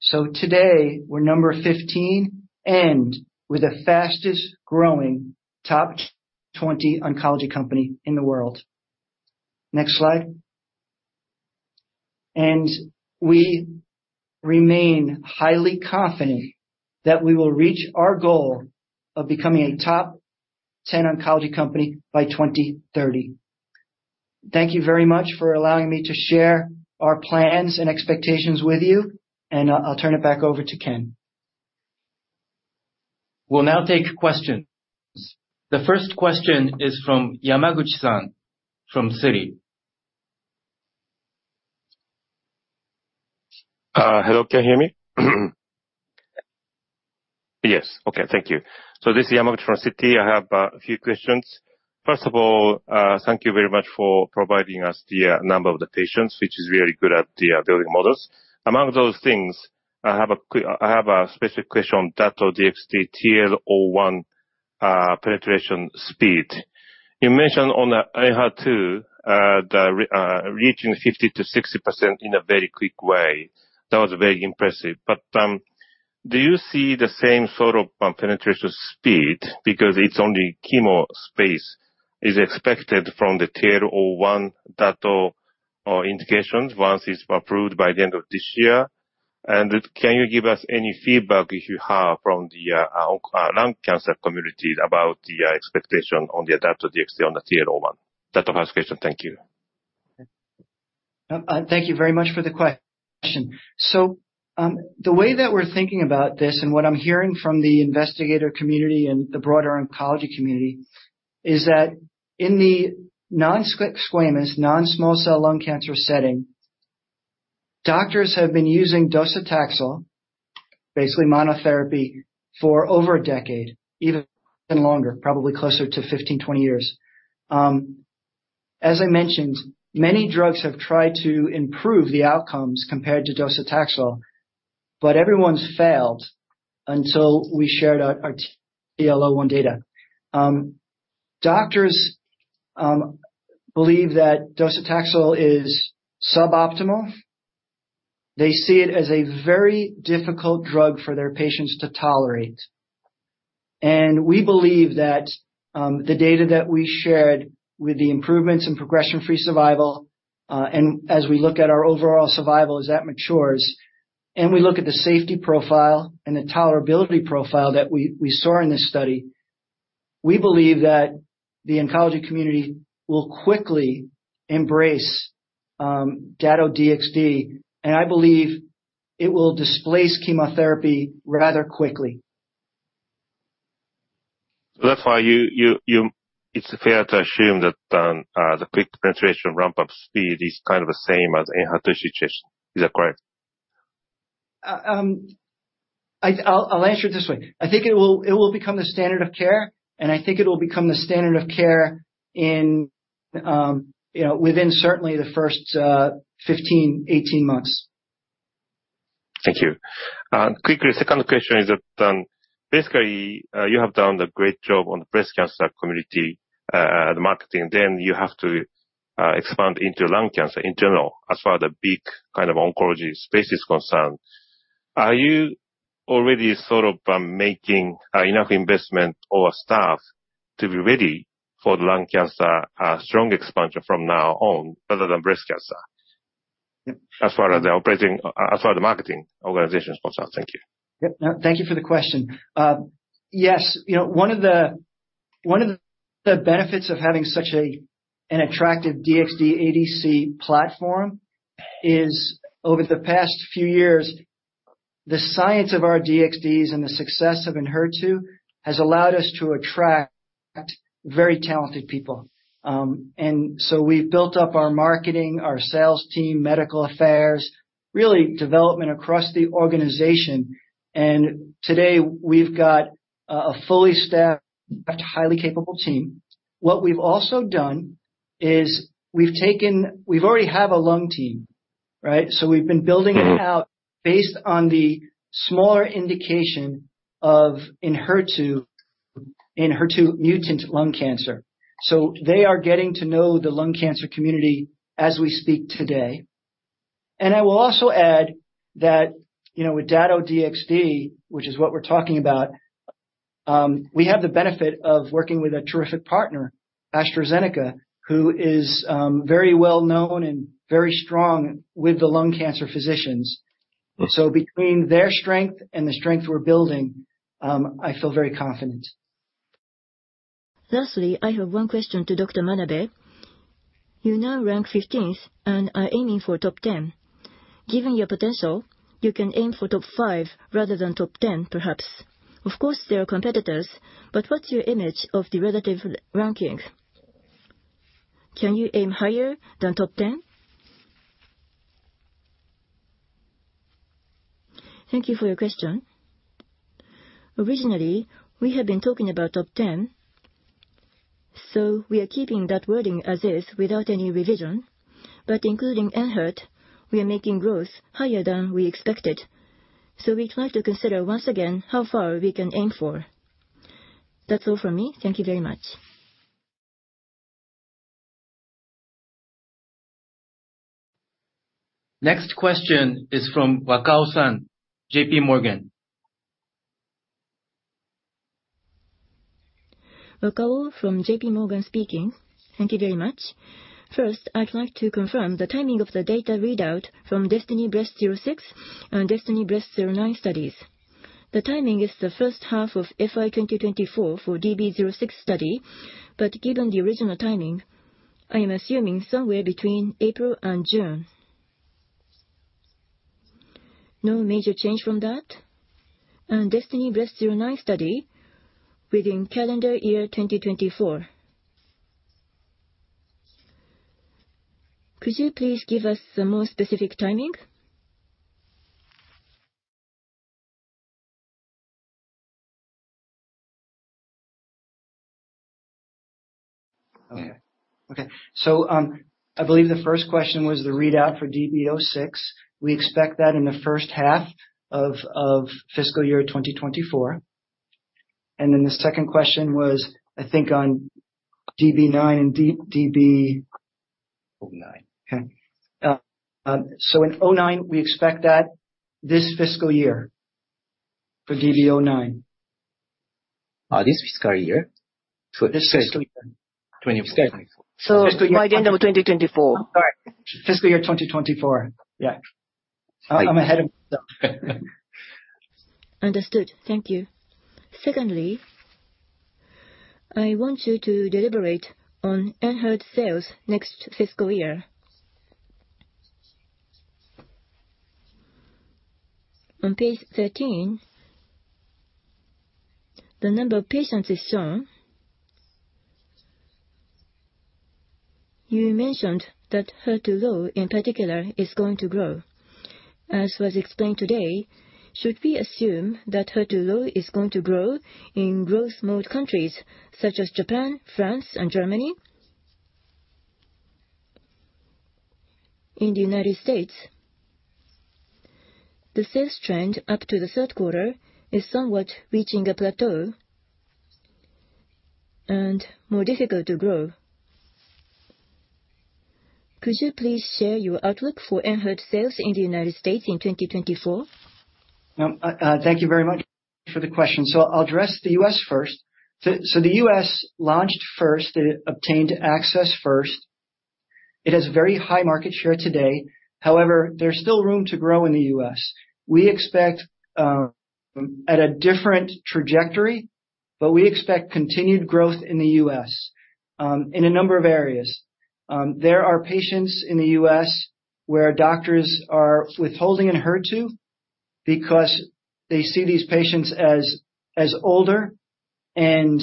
So today, we're number 15 and we're the fastest growing top 20 oncology company in the world. Next slide. We remain highly confident that we will reach our goal of becoming a top 10 oncology company by 2030. Thank you very much for allowing me to share our plans and expectations with you, and I'll, I'll turn it back over to Ken. We'll now take questions. The first question is from Yamaguchi-san, from Citi. Hello, can you hear me? Yes. Okay, thank you. So this is Yamaguchi from Citi. I have a few questions. First of all, thank you very much for providing us the number of the patients, which is very good at the building models. Among those things, I have a specific question on Dato-DXd TROPION-Lung01 penetration speed. You mentioned on the HER2 the reaching 50%-60% in a very quick way. That was very impressive, but... Do you see the same sort of penetration speed because it's only chemo space, is expected from the TROPION-Lung01 data or indications once it's approved by the end of this year? Can you give us any feedback, if you have, from the lung cancer community about the expectation on the Dato-DXd on the TROPION-Lung01? That's the first question. Thank you. Thank you very much for the question. So, the way that we're thinking about this, and what I'm hearing from the investigator community and the broader oncology community, is that in the non-squamous non-small cell lung cancer setting, doctors have been using docetaxel, basically monotherapy, for over a decade, even longer, probably closer to 15, 20 years. As I mentioned, many drugs have tried to improve the outcomes compared to docetaxel, but everyone's failed until we shared our TL01 data. Doctors believe that docetaxel is suboptimal. They see it as a very difficult drug for their patients to tolerate. We believe that the data that we shared with the improvements in progression-free survival, and as we look at our overall survival as that matures, and we look at the safety profile and the tolerability profile that we saw in this study, we believe that the oncology community will quickly embrace Dato-DXd, and I believe it will displace chemotherapy rather quickly. That's why you, it's fair to assume that, the quick penetration ramp-up speed is kind of the same as ENHERTU situation. Is that correct? I'll answer it this way. I think it will become the standard of care, and I think it will become the standard of care in, you know, within certainly the first 15-18 months. Thank you. Quickly, second question is that, basically, you have done a great job on the breast cancer community, the marketing. Then you have to expand into lung cancer in general, as far as the big kind of oncology space is concerned. Are you already sort of making enough investment or staff to be ready for the lung cancer strong expansion from now on, rather than breast cancer? Yep. As far as the marketing organization is concerned. Thank you. Yep. Thank you for the question. Yes, you know, one of the, one of the benefits of having such a, an attractive DXd ADC platform is, over the past few years, the science of our DXDs and the success of ENHERTU has allowed us to attract very talented people. And so we've built up our marketing, our sales team, medical affairs, really development across the organization, and today we've got a fully staffed, highly capable team. What we've also done is we've taken... We've already have a lung team, right? So we've been building it out based on the smaller indication of ENHERTU, ENHERTU mutant lung cancer. So they are getting to know the lung cancer community as we speak today. I will also add that, you know, with Dato-DXd, which is what we're talking about, we have the benefit of working with a terrific partner, AstraZeneca, who is very well known and very strong with the lung cancer physicians. So between their strength and the strength we're building, I feel very confident. Lastly, I have one question to Dr. Manabe. You now rank fifteenth and are aiming for top ten. Given your potential, you can aim for top five rather than top ten, perhaps. Of course, there are competitors, but what's your image of the relative ranking? Can you aim higher than top ten? Thank you for your question. Originally, we have been talking about top ten, so we are keeping that wording as is without any revision, but including ENHERTU, we are making growth higher than we expected. So we try to consider once again how far we can aim for. That's all for me. Thank you very much. Next question is from Wakao-san, J.P. Morgan. Wakao from J.P. Morgan speaking. Thank you very much. First, I'd like to confirm the timing of the data readout from DESTINY-Breast06 and DESTINY-Breast09 studies. The timing is the first half of FY 2024 for DB06 study, but given the original timing, I am assuming somewhere between April and June. No major change from that? And DESTINY-Breast09 study within calendar year 2024. Could you please give us a more specific timing? Okay. Okay. So, I believe the first question was the readout for DB06. We expect that in the first half of fiscal year 2024. And then the second question was, I think, on DB09 and D-DB-. Oh, nine. Okay. So in 2009, we expect that this fiscal year, for DB '09. This fiscal year? This fiscal year. '20 fiscal. By the end of 2024. Sorry, fiscal year 2024. Yeah. I'm ahead of myself. Understood. Thank you. Secondly, I want you to deliberate on ENHERTU sales next fiscal year. On page 13, the number of patients is shown. You mentioned that HER2-low, in particular, is going to grow. As was explained today, should we assume that HER2-low is going to grow in growth mode countries such as Japan, France, and Germany? In the United States, the sales trend up to the third quarter is somewhat reaching a plateau and more difficult to grow. Could you please share your outlook for ENHERTU sales in the United States in 2024? Thank you very much for the question. So I'll address the US first. So the US launched first, it obtained access first. It has very high market share today. However, there's still room to grow in the US. We expect at a different trajectory, but we expect continued growth in the US in a number of areas. There are patients in the US where doctors are withholding ENHERTU because they see these patients as older and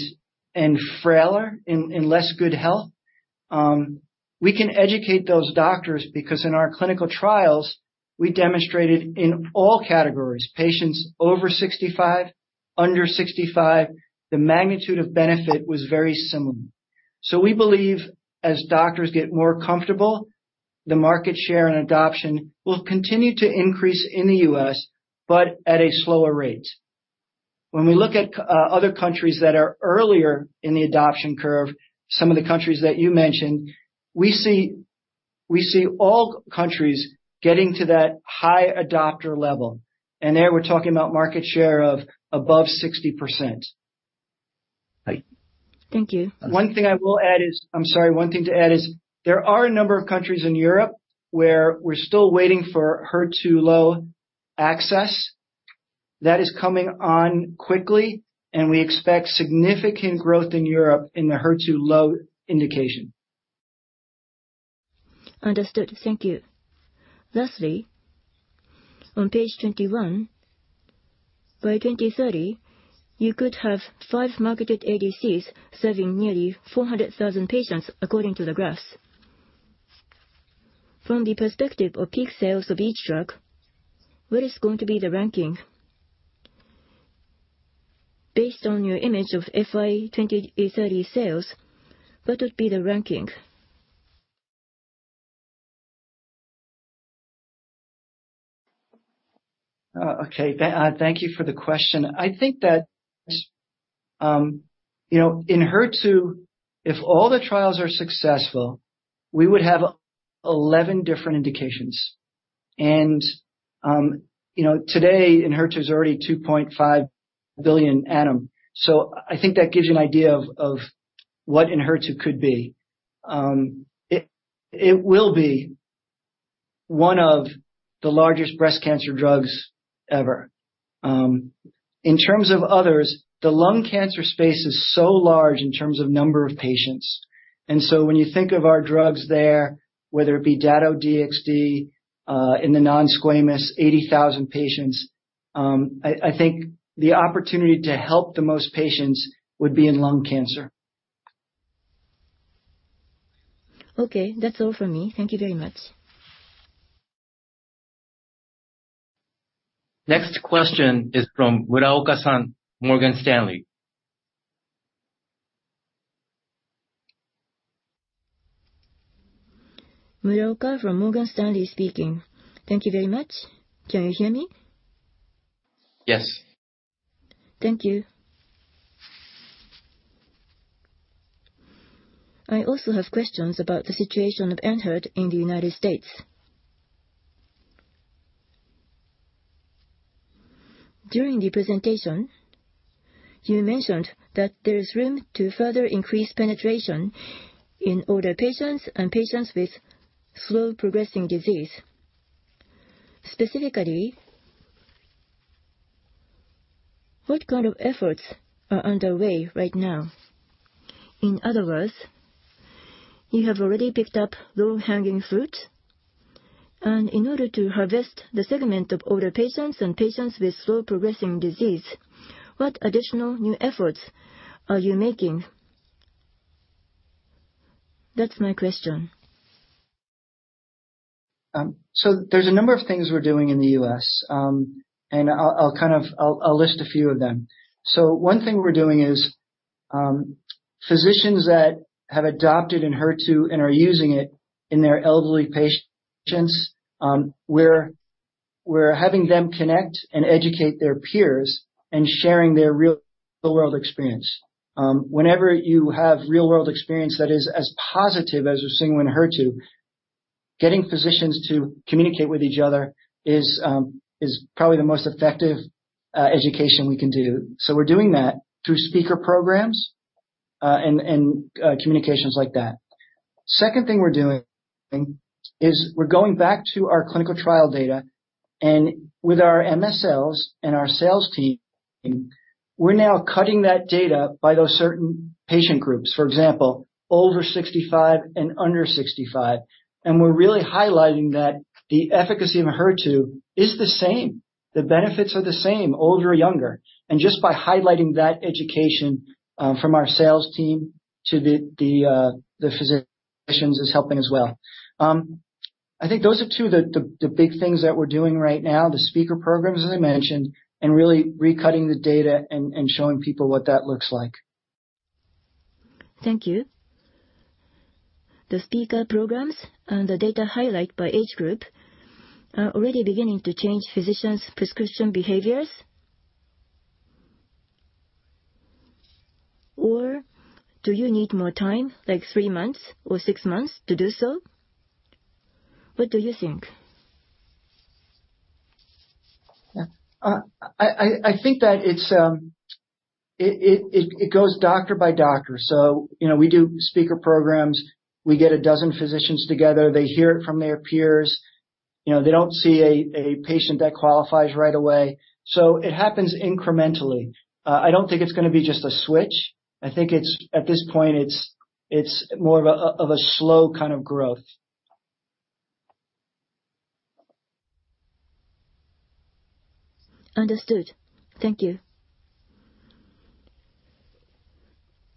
frailer, in less good health. We can educate those doctors because in our clinical trials, we demonstrated in all categories, patients over 65, under 65, the magnitude of benefit was very similar. So we believe as doctors get more comfortable, the market share and adoption will continue to increase in the US, but at a slower rate. When we look at other countries that are earlier in the adoption curve, some of the countries that you mentioned, we see, we see all countries getting to that high adopter level, and there we're talking about market share of above 60%. Right. Thank you. One thing to add is, there are a number of countries in Europe where we're still waiting for HER2-low access. That is coming on quickly, and we expect significant growth in Europe in the HER2-low indication. Understood. Thank you. Lastly, on page 21, by 2030, you could have 5 marketed ADCs serving nearly 400,000 patients, according to the graphs. From the perspective of peak sales of each drug, what is going to be the ranking? Based on your image of FY 2030 sales, what would be the ranking? Thank you for the question. I think that, you know, in HER2, if all the trials are successful, we would have 11 different indications. And, you know, today, ENHERTU is already $2.5 billion annum. So I think that gives you an idea of, of what ENHERTU could be. It will be one of the largest breast cancer drugs ever. In terms of others, the lung cancer space is so large in terms of number of patients, and so when you think of our drugs there, whether it be Dato-DXd in the non-squamous, 80,000 patients, I think the opportunity to help the most patients would be in lung cancer. Okay. That's all for me. Thank you very much. Next question is from Muraoka-san, Morgan Stanley. Muraoka from Morgan Stanley speaking. Thank you very much. Can you hear me? Yes. Thank you. I also have questions about the situation of ENHERTU in the United States. During the presentation, you mentioned that there is room to further increase penetration in older patients and patients with slow-progressing disease. Specifically, what kind of efforts are underway right now? In other words, you have already picked up low-hanging fruits, and in order to harvest the segment of older patients and patients with slow-progressing disease, what additional new efforts are you making? That's my question. So there's a number of things we're doing in the US, and I'll kind of list a few of them. So one thing we're doing is physicians that have adopted ENHERTU and are using it in their elderly patients, we're having them connect and educate their peers and sharing their real-world experience. Whenever you have real-world experience that is as positive as we're seeing with HER2, getting physicians to communicate with each other is probably the most effective education we can do. So we're doing that through speaker programs and communications like that. Second thing we're doing is we're going back to our clinical trial data, and with our MSLs and our sales team, we're now cutting that data by those certain patient groups. For example, over 65 and under 65, and we're really highlighting that the efficacy of ENHERTU is the same. The benefits are the same, older or younger, and just by highlighting that education from our sales team to the physicians is helping as well. I think those are two of the big things that we're doing right now, the speaker programs, as I mentioned, and really recutting the data and showing people what that looks like. Thank you. The speaker programs and the data highlight by age group are already beginning to change physicians' prescription behaviors? Or do you need more time, like three months or six months to do so? What do you think? Yeah. I think that it's... It goes doctor by doctor. So, you know, we do speaker programs. We get a dozen physicians together, they hear it from their peers. You know, they don't see a patient that qualifies right away, so it happens incrementally. I don't think it's gonna be just a switch. I think it's at this point, it's more of a slow kind of growth. Understood. Thank you.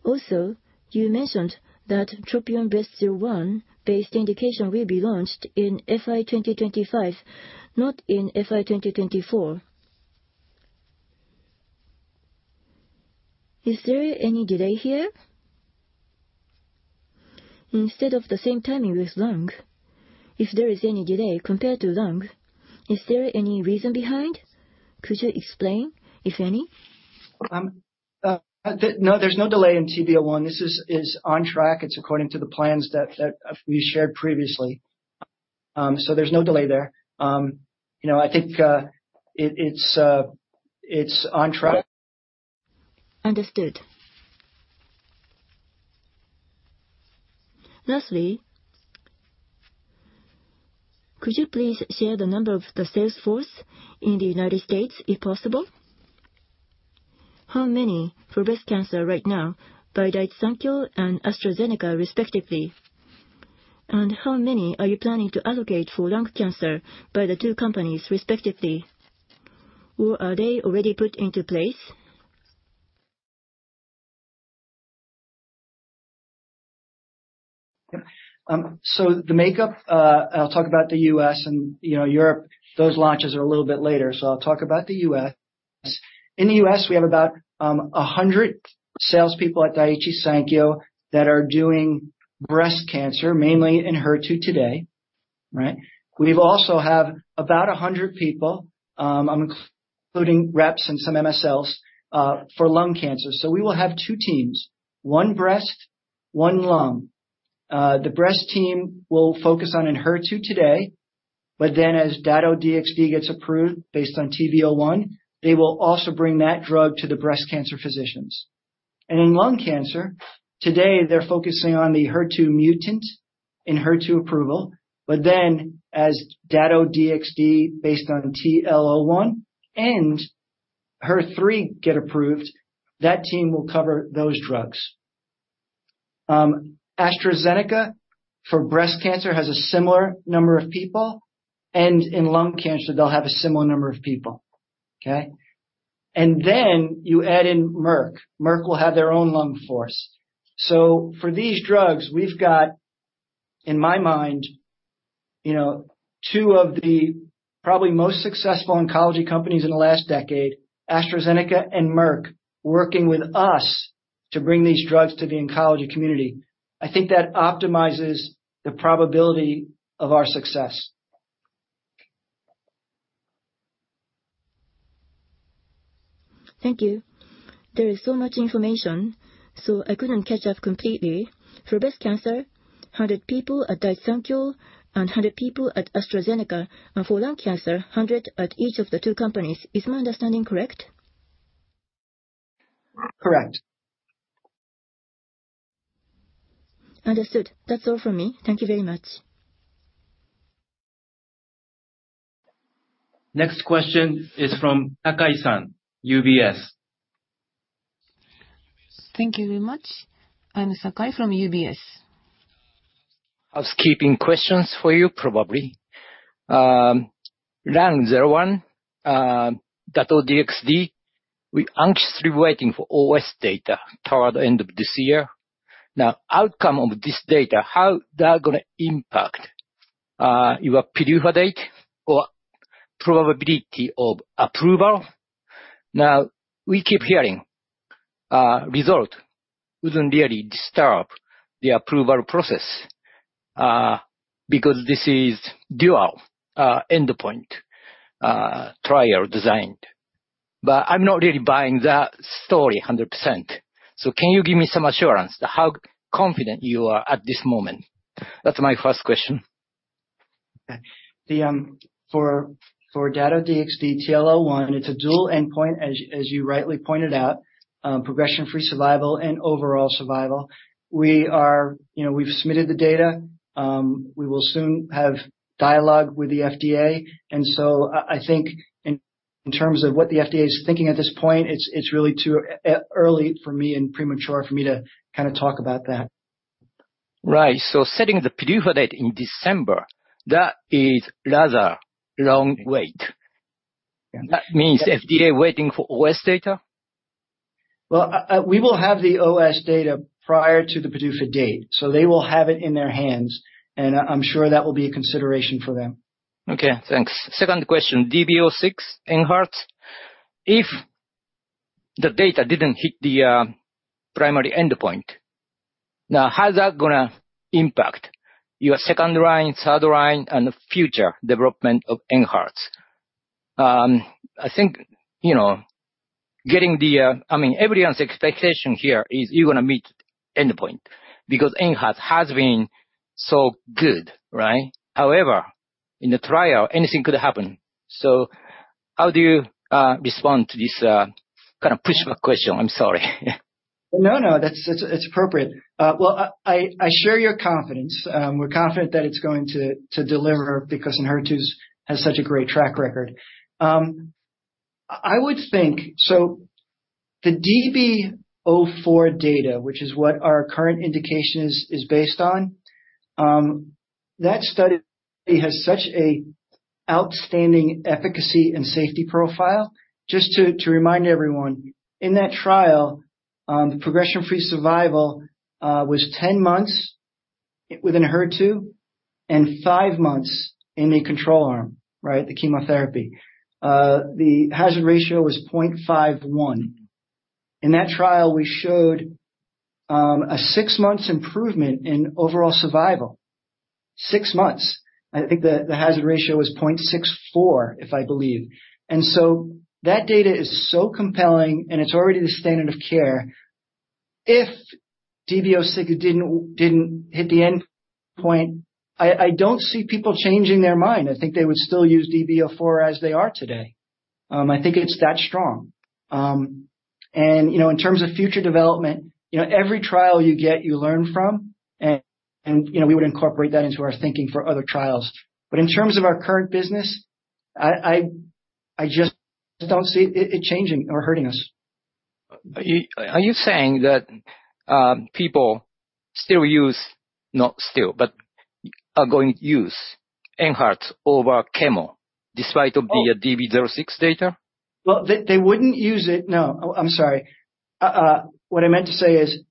Also, you mentioned that TROPION-Breast01 based indication will be launched in FY 2025, not in FY 2024. Is there any delay here? Instead of the same timing with lung, if there is any delay compared to lung, is there any reason behind? Could you explain, if any? No, there's no delay in TB-01. This is on track. It's according to the plans that we shared previously. So there's no delay there. You know, I think, it's on track. Understood. Lastly, could you please share the number of the sales force in the United States, if possible? How many for breast cancer right now by Daiichi Sankyo and AstraZeneca, respectively, and how many are you planning to allocate for lung cancer by the two companies, respectively, or are they already put into place? So the makeup, I'll talk about the U.S., and, you know, Europe, those launches are a little bit later, so I'll talk about the U.S. In the U.S., we have about 100 salespeople at Daiichi Sankyo that are doing breast cancer, mainly in HER2 today, right? We've also have about 100 people, I'm including reps and some MSLs, for lung cancer. So we will have two teams, one breast, one lung. The breast team will focus on ENHERTU today, but then, as Dato-DXd gets approved based on TB01, they will also bring that drug to the breast cancer physicians. And in lung cancer, today they're focusing on the HER2-mutant and HER2 approval, but then as Dato-DXd, based on TB-01 and HER3 get approved, that team will cover those drugs. AstraZeneca, for breast cancer, has a similar number of people, and in lung cancer they'll have a similar number of people, okay? And then you add in Merck. Merck will have their own LUNG FORCE. So for these drugs, we've got, in my mind, you know, two of the probably most successful oncology companies in the last decade, AstraZeneca and Merck, working with us to bring these drugs to the oncology community. I think that optimizes the probability of our success. Thank you. There is so much information, so I couldn't catch up completely. For breast cancer, 100 people at Daiichi Sankyo and 100 people at AstraZeneca, and for lung cancer, 100 at each of the two companies. Is my understanding correct? Correct. Understood. That's all from me. Thank you very much. Next question is from Sakai-san, UBS. Thank you very much. I'm Sakai from UBS. I was keeping questions for you, probably. Lung01, Dato-DXd, we're anxiously waiting for OS data toward the end of this year. Now, outcome of this data, how that gonna impact your approval date or probability of approval? Now, we keep hearing result wouldn't really disturb the approval process, because this is dual endpoint trial designed. But I'm not really buying that story 100%. So can you give me some assurance to how confident you are at this moment? That's my first question. Okay. The for Dato-DXd, TROPION-Lung01, it's a dual endpoint, as you rightly pointed out, progression-free survival and overall survival. We are. You know, we've submitted the data. We will soon have dialogue with the FDA. And so I think in terms of what the FDA is thinking at this point, it's really too early for me and premature for me to kind of talk about that. Right. So setting the PDUFA date in December, that is rather long wait. Yeah. That means FDA waiting for OS data? Well, we will have the OS data prior to the PDUFA date, so they will have it in their hands, and I'm sure that will be a consideration for them. Okay, thanks. Second question, DESTINY-Breast06 ENHERTU. If the data didn't hit the primary endpoint, how's that gonna impact your second line, third line, and the future development of ENHERTU? I think, you know, getting the, I mean, everyone's expectation here is you're gonna meet endpoint, because ENHERTU has been so good, right? However, in the trial, anything could happen. So how do you respond to this kind of pushback question? I'm sorry. No, no, that's it. It's appropriate. Well, I share your confidence. We're confident that it's going to deliver, because ENHERTU has such a great track record. I would think... So the DB-04 data, which is what our current indication is, is based on that study has such a outstanding efficacy and safety profile. Just to remind everyone, in that trial, the progression-free survival was 10 months with ENHERTU and 5 months in the control arm, right, the chemotherapy. The hazard ratio was 0.51. In that trial, we showed a 6 months improvement in overall survival. 6 months. I think the hazard ratio was 0.64, if I believe. And so that data is so compelling, and it's already the standard of care. If DB-06 didn't hit the end point, I don't see people changing their mind. I think they would still use DB-04 as they are today. I think it's that strong. And, you know, in terms of future development, you know, every trial you get, you learn from, and, you know, we would incorporate that into our thinking for other trials. But in terms of our current business, I just don't see it changing or hurting us. Are you, are you saying that, people still use... Not still, but are going to use ENHERTU over chemo despite of the DB-06 data? Well, they wouldn't use it. No, I'm sorry. What I meant to say is,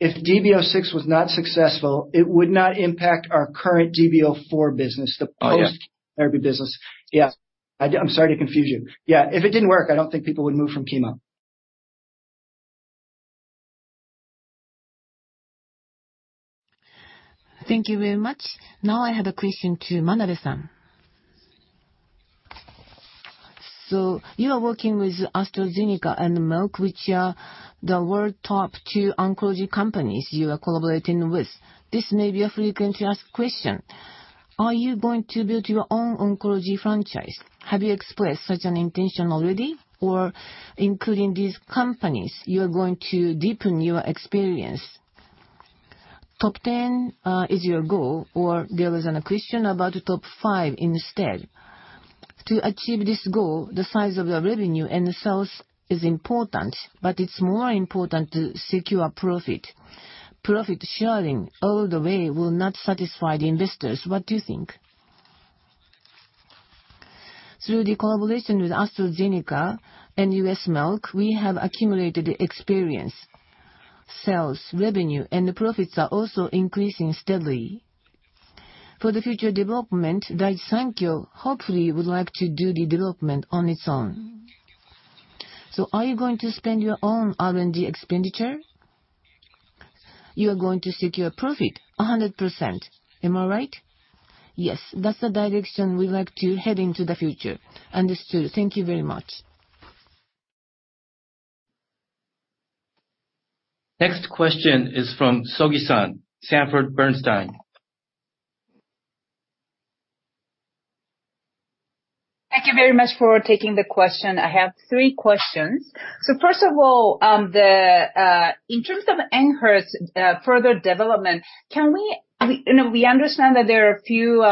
if DB-06 was not successful, it would not impact our current DB-04 business- Oh, yeah. The post therapy business. Yeah, I'm sorry to confuse you. Yeah, if it didn't work, I don't think people would move from chemo. Thank you very much. Now, I have a question to Manabe-san. So you are working with AstraZeneca and Merck, which are the world top two oncology companies you are collaborating with. This may be a frequently asked question: Are you going to build your own oncology franchise? Have you expressed such an intention already? Or including these companies, you are going to deepen your experience? Top ten is your goal, or there was a question about the top five instead. To achieve this goal, the size of the revenue and the sales is important, but it's more important to secure profit. Profit sharing all the way will not satisfy the investors. What do you think? Through the collaboration with AstraZeneca and Merck, we have accumulated experience. Sales, revenue, and the profits are also increasing steadily. For the future development, Daiichi Sankyo hopefully would like to do the development on its own. So are you going to spend your own R&D expenditure? You are going to secure profit 100%, am I right? Yes, that's the direction we'd like to head into the future. Understood. Thank you very much. Next question is from Sogi-san, Sanford C. Bernstein. Thank you very much for taking the question. I have three questions. So first of all, in terms of ENHERTU's further development, can we you know we understand that there are a few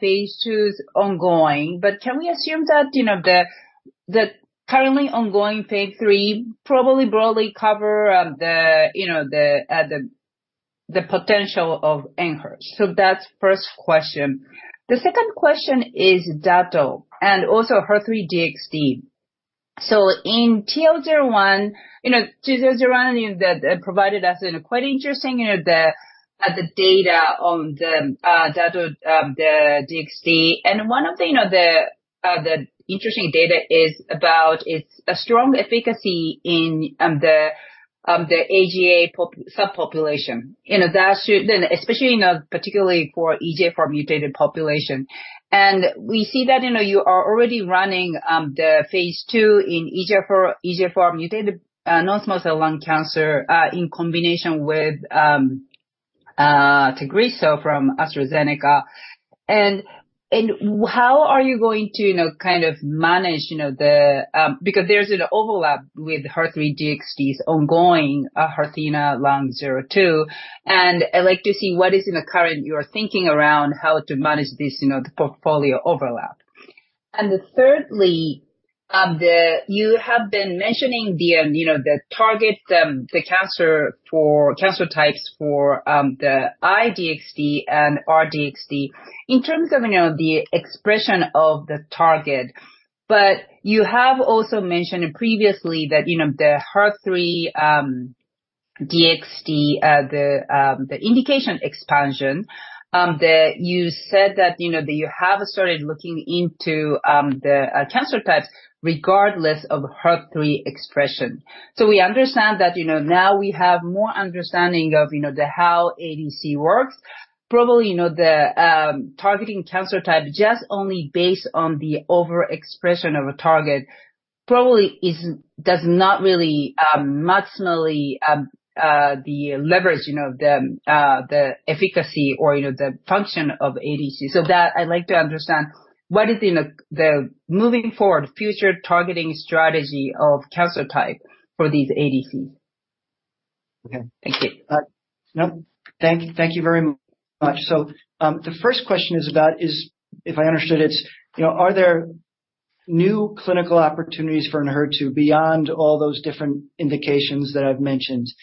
phase twos ongoing, but can we assume that you know the currently ongoing phase three probably broadly cover the you know the potential of ENHERTU? So that's first question. The second question is Dato-DXd, and also HER3-DXd. So in TL01, you know, TL01 that provided us a quite interesting you know the data on the DXd. And one of the you know the interesting data is about, it's a strong efficacy in the Asian pop- subpopulation. You know, that should then especially you know particularly for EGFR mutated population. We see that, you know, you are already running the phase two in EGFR, EGFR mutated, non-small cell lung cancer, in combination with Tagrisso from AstraZeneca. And, and how are you going to, you know, kind of manage, you know, the, because there's an overlap with HER3-DXd's ongoing, HERTHENA-Lung02, and I'd like to see what is in the current you are thinking around how to manage this, you know, the portfolio overlap. And then thirdly, the you have been mentioning the, you know, the target, the cancer for, cancer types for, the I-DXd and R-DXd in terms of, you know, the expression of the target. You have also mentioned previously that, you know, the HER3 DXd, the indication expansion, that you said that, you know, that you have started looking into, the cancer types regardless of HER3 expression. So we understand that, you know, now we have more understanding of, you know, the how ADC works. Probably, you know, the targeting cancer type just only based on the overexpression of a target, probably isn't- does not really, maximally, the leverage, you know, the efficacy or, you know, the function of ADC. So that, I'd like to understand, what is in the moving forward future targeting strategy of cancer type for these ADCs? Okay, thank you. No, thank you very much. So, the first question is about, if I understood it, you know, are there new clinical opportunities for Enhertu beyond all those different indications that I've mentioned? I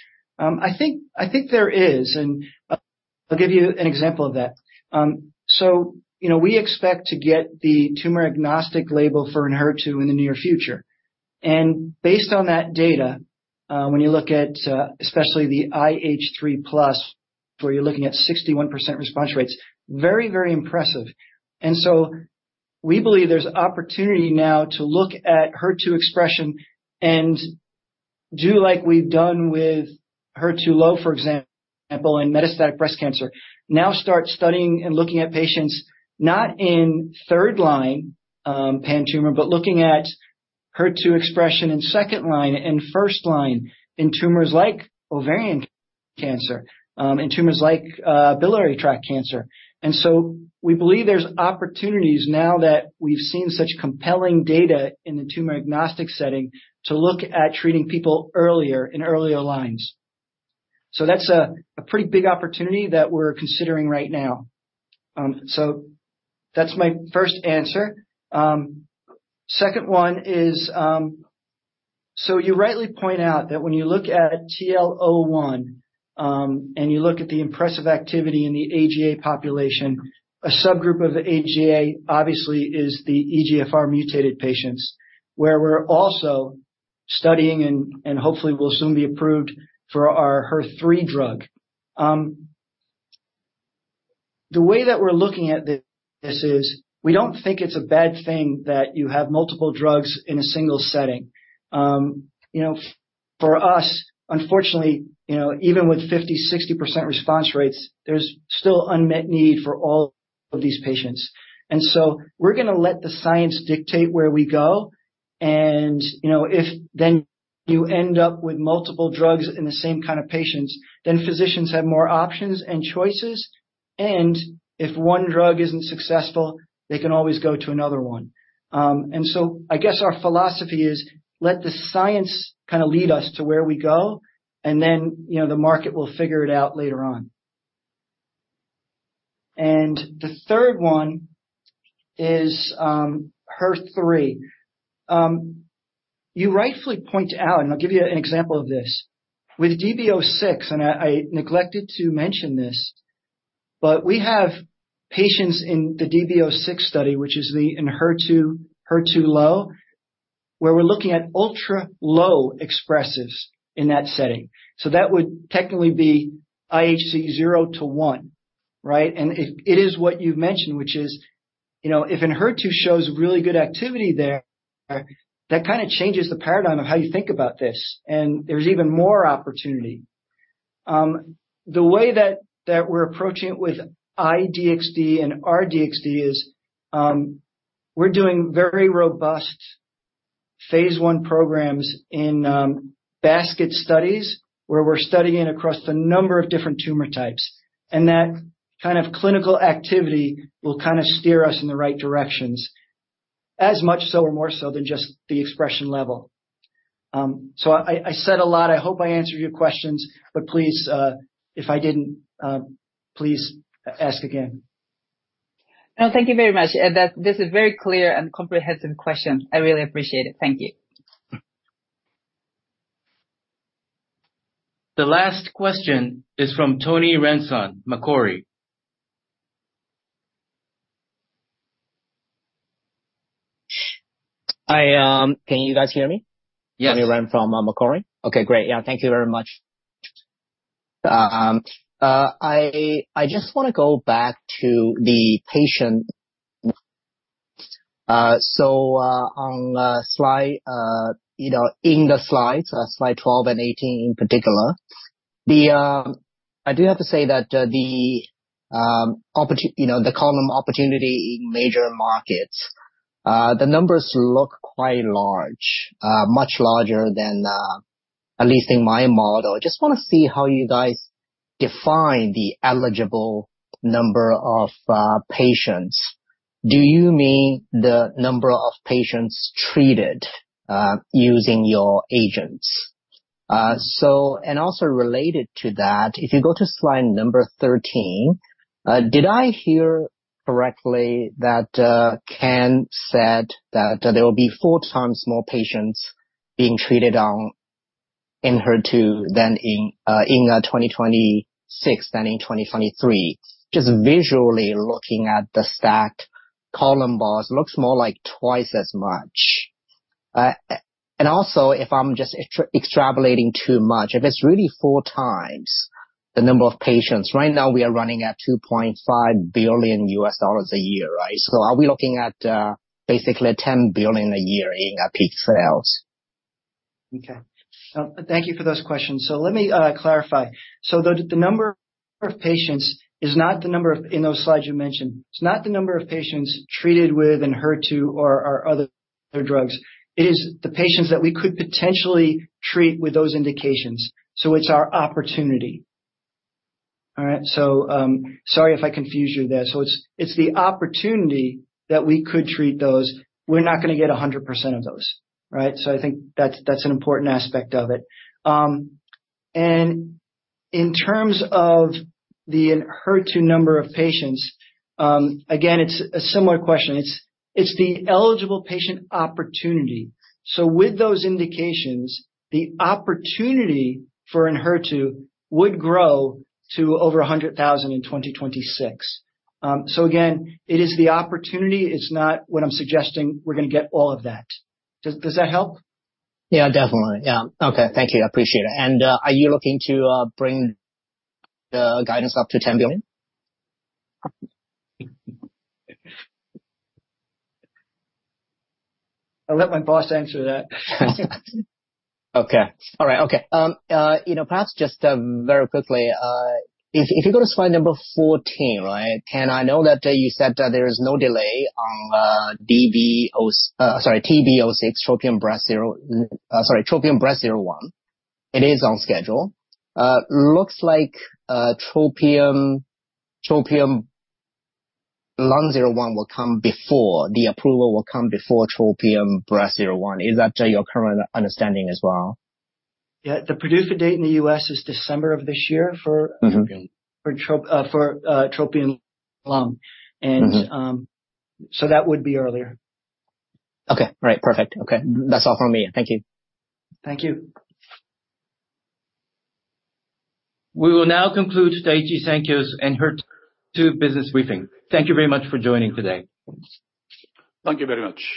think, I think there is, and, I'll give you an example of that. So, you know, we expect to get the tumor-agnostic label for Enhertu in the near future. And based on that data, when you look at, especially the IHC 3+, where you're looking at 61% response rates, very, very impressive. And so we believe there's opportunity now to look at HER2 expression and do like we've done with HER2-low, for example, in metastatic breast cancer. Now, start studying and looking at patients not in third line, pan-tumor, but looking at HER2 expression in second line and first line in tumors like ovarian cancer, in tumors like, biliary tract cancer. And so we believe there's opportunities now that we've seen such compelling data in the tumor-agnostic setting, to look at treating people earlier, in earlier lines. So that's a pretty big opportunity that we're considering right now. So that's my first answer. Second one is, so you rightly point out that when you look at TL01, and you look at the impressive activity in the AGA population, a subgroup of the AGA obviously is the EGFR mutated patients, where we're also studying and, and hopefully will soon be approved for our HER3 drug. The way that we're looking at this, we don't think it's a bad thing that you have multiple drugs in a single setting. You know, for us, unfortunately, you know, even with 50%-60% response rates, there's still unmet need for all of these patients. And so we're gonna let the science dictate where we go. You know, if then you end up with multiple drugs in the same kind of patients, then physicians have more options and choices, and if one drug isn't successful, they can always go to another one. And so I guess our philosophy is: Let the science kind of lead us to where we go, and then, you know, the market will figure it out later on. And the third one is HER3. You rightfully point out, and I'll give you an example of this. With DB-06, I neglected to mention this, but we have patients in the DB-06 study, which is in HER2 low, where we're looking at ultra low expressers in that setting. So that would technically be IHC 0-1, right? And it is what you've mentioned, which is, you know, if an HER2 shows really good activity there, that kind of changes the paradigm of how you think about this, and there's even more opportunity. The way that we're approaching it with I-DXd and R-DXd is, we're doing very robust phase 1 programs in basket studies, where we're studying across a number of different tumor types. And that kind of clinical activity will kind of steer us in the right directions, as much so or more so than just the expression level. So I said a lot. I hope I answered your questions, but please, if I didn't, please ask again. No, thank you very much. This is very clear and comprehensive question. I really appreciate it. Thank you. The last question is from Tony Ren, Macquarie. I, can you guys hear me? Yes. Tony Ren from Macquarie. Okay, great. Yeah, thank you very much. I just wanna go back to the patient. So, on slide, you know, in the slides, slide 12 and 18 in particular, I do have to say that the opportunity in major markets, the numbers look quite large, much larger than at least in my model. Just wanna see how you guys define the eligible number of patients. Do you mean the number of patients treated using your agents? So and also related to that, if you go to slide 13, did I hear correctly that Ken said that there will be four times more patients being treated on in HER2 than in 2026 than in 2023? Just visually looking at the stack, column bars looks more like twice as much. And also, if I'm just extrapolating too much, if it's really four times the number of patients, right now we are running at $2.5 billion a year, right? So are we looking at basically $10 billion a year in peak sales? Okay. So thank you for those questions. So let me clarify. So the number of patients is not the number of... in those slides you mentioned, it's not the number of patients treated with an HER2 or other drugs. It is the patients that we could potentially treat with those indications. So it's our opportunity. All right? So sorry if I confused you there. So it's the opportunity that we could treat those. We're not gonna get 100% of those. Right? So I think that's an important aspect of it. And in terms of HER2 number of patients, again, it's a similar question. It's the eligible patient opportunity. So with those indications, the opportunity for an HER2 would grow to over 100,000 in 2026. So again, it is the opportunity. It's not what I'm suggesting we're gonna get all of that. Does that help? Yeah, definitely. Yeah. Okay. Thank you. I appreciate it. And, are you looking to bring the guidance up to JPY $10 billion? I'll let my boss answer that. Okay. All right. Okay. You know, perhaps just very quickly, if you go to slide number 14, right? Ken, I know that you said that there is no delay on DB0, sorry, TB-06 TROPION-Breast01, sorry, TROPION-Breast01. It is on schedule. Looks like TROPION-Lung01 will come before, the approval will come before TROPION-Breast01. Is that your current understanding as well? Yeah. The PDUFA date in the U.S. is December of this year for- Mm-hmm. For TROPION-Lung. Mm-hmm. And, so that would be earlier. Okay. All right. Perfect. Okay. That's all from me. Thank you. Thank you. We will now conclude Daiichi Sankyo's ENHERTU business briefing. Thank you very much for joining today. Thank you very much.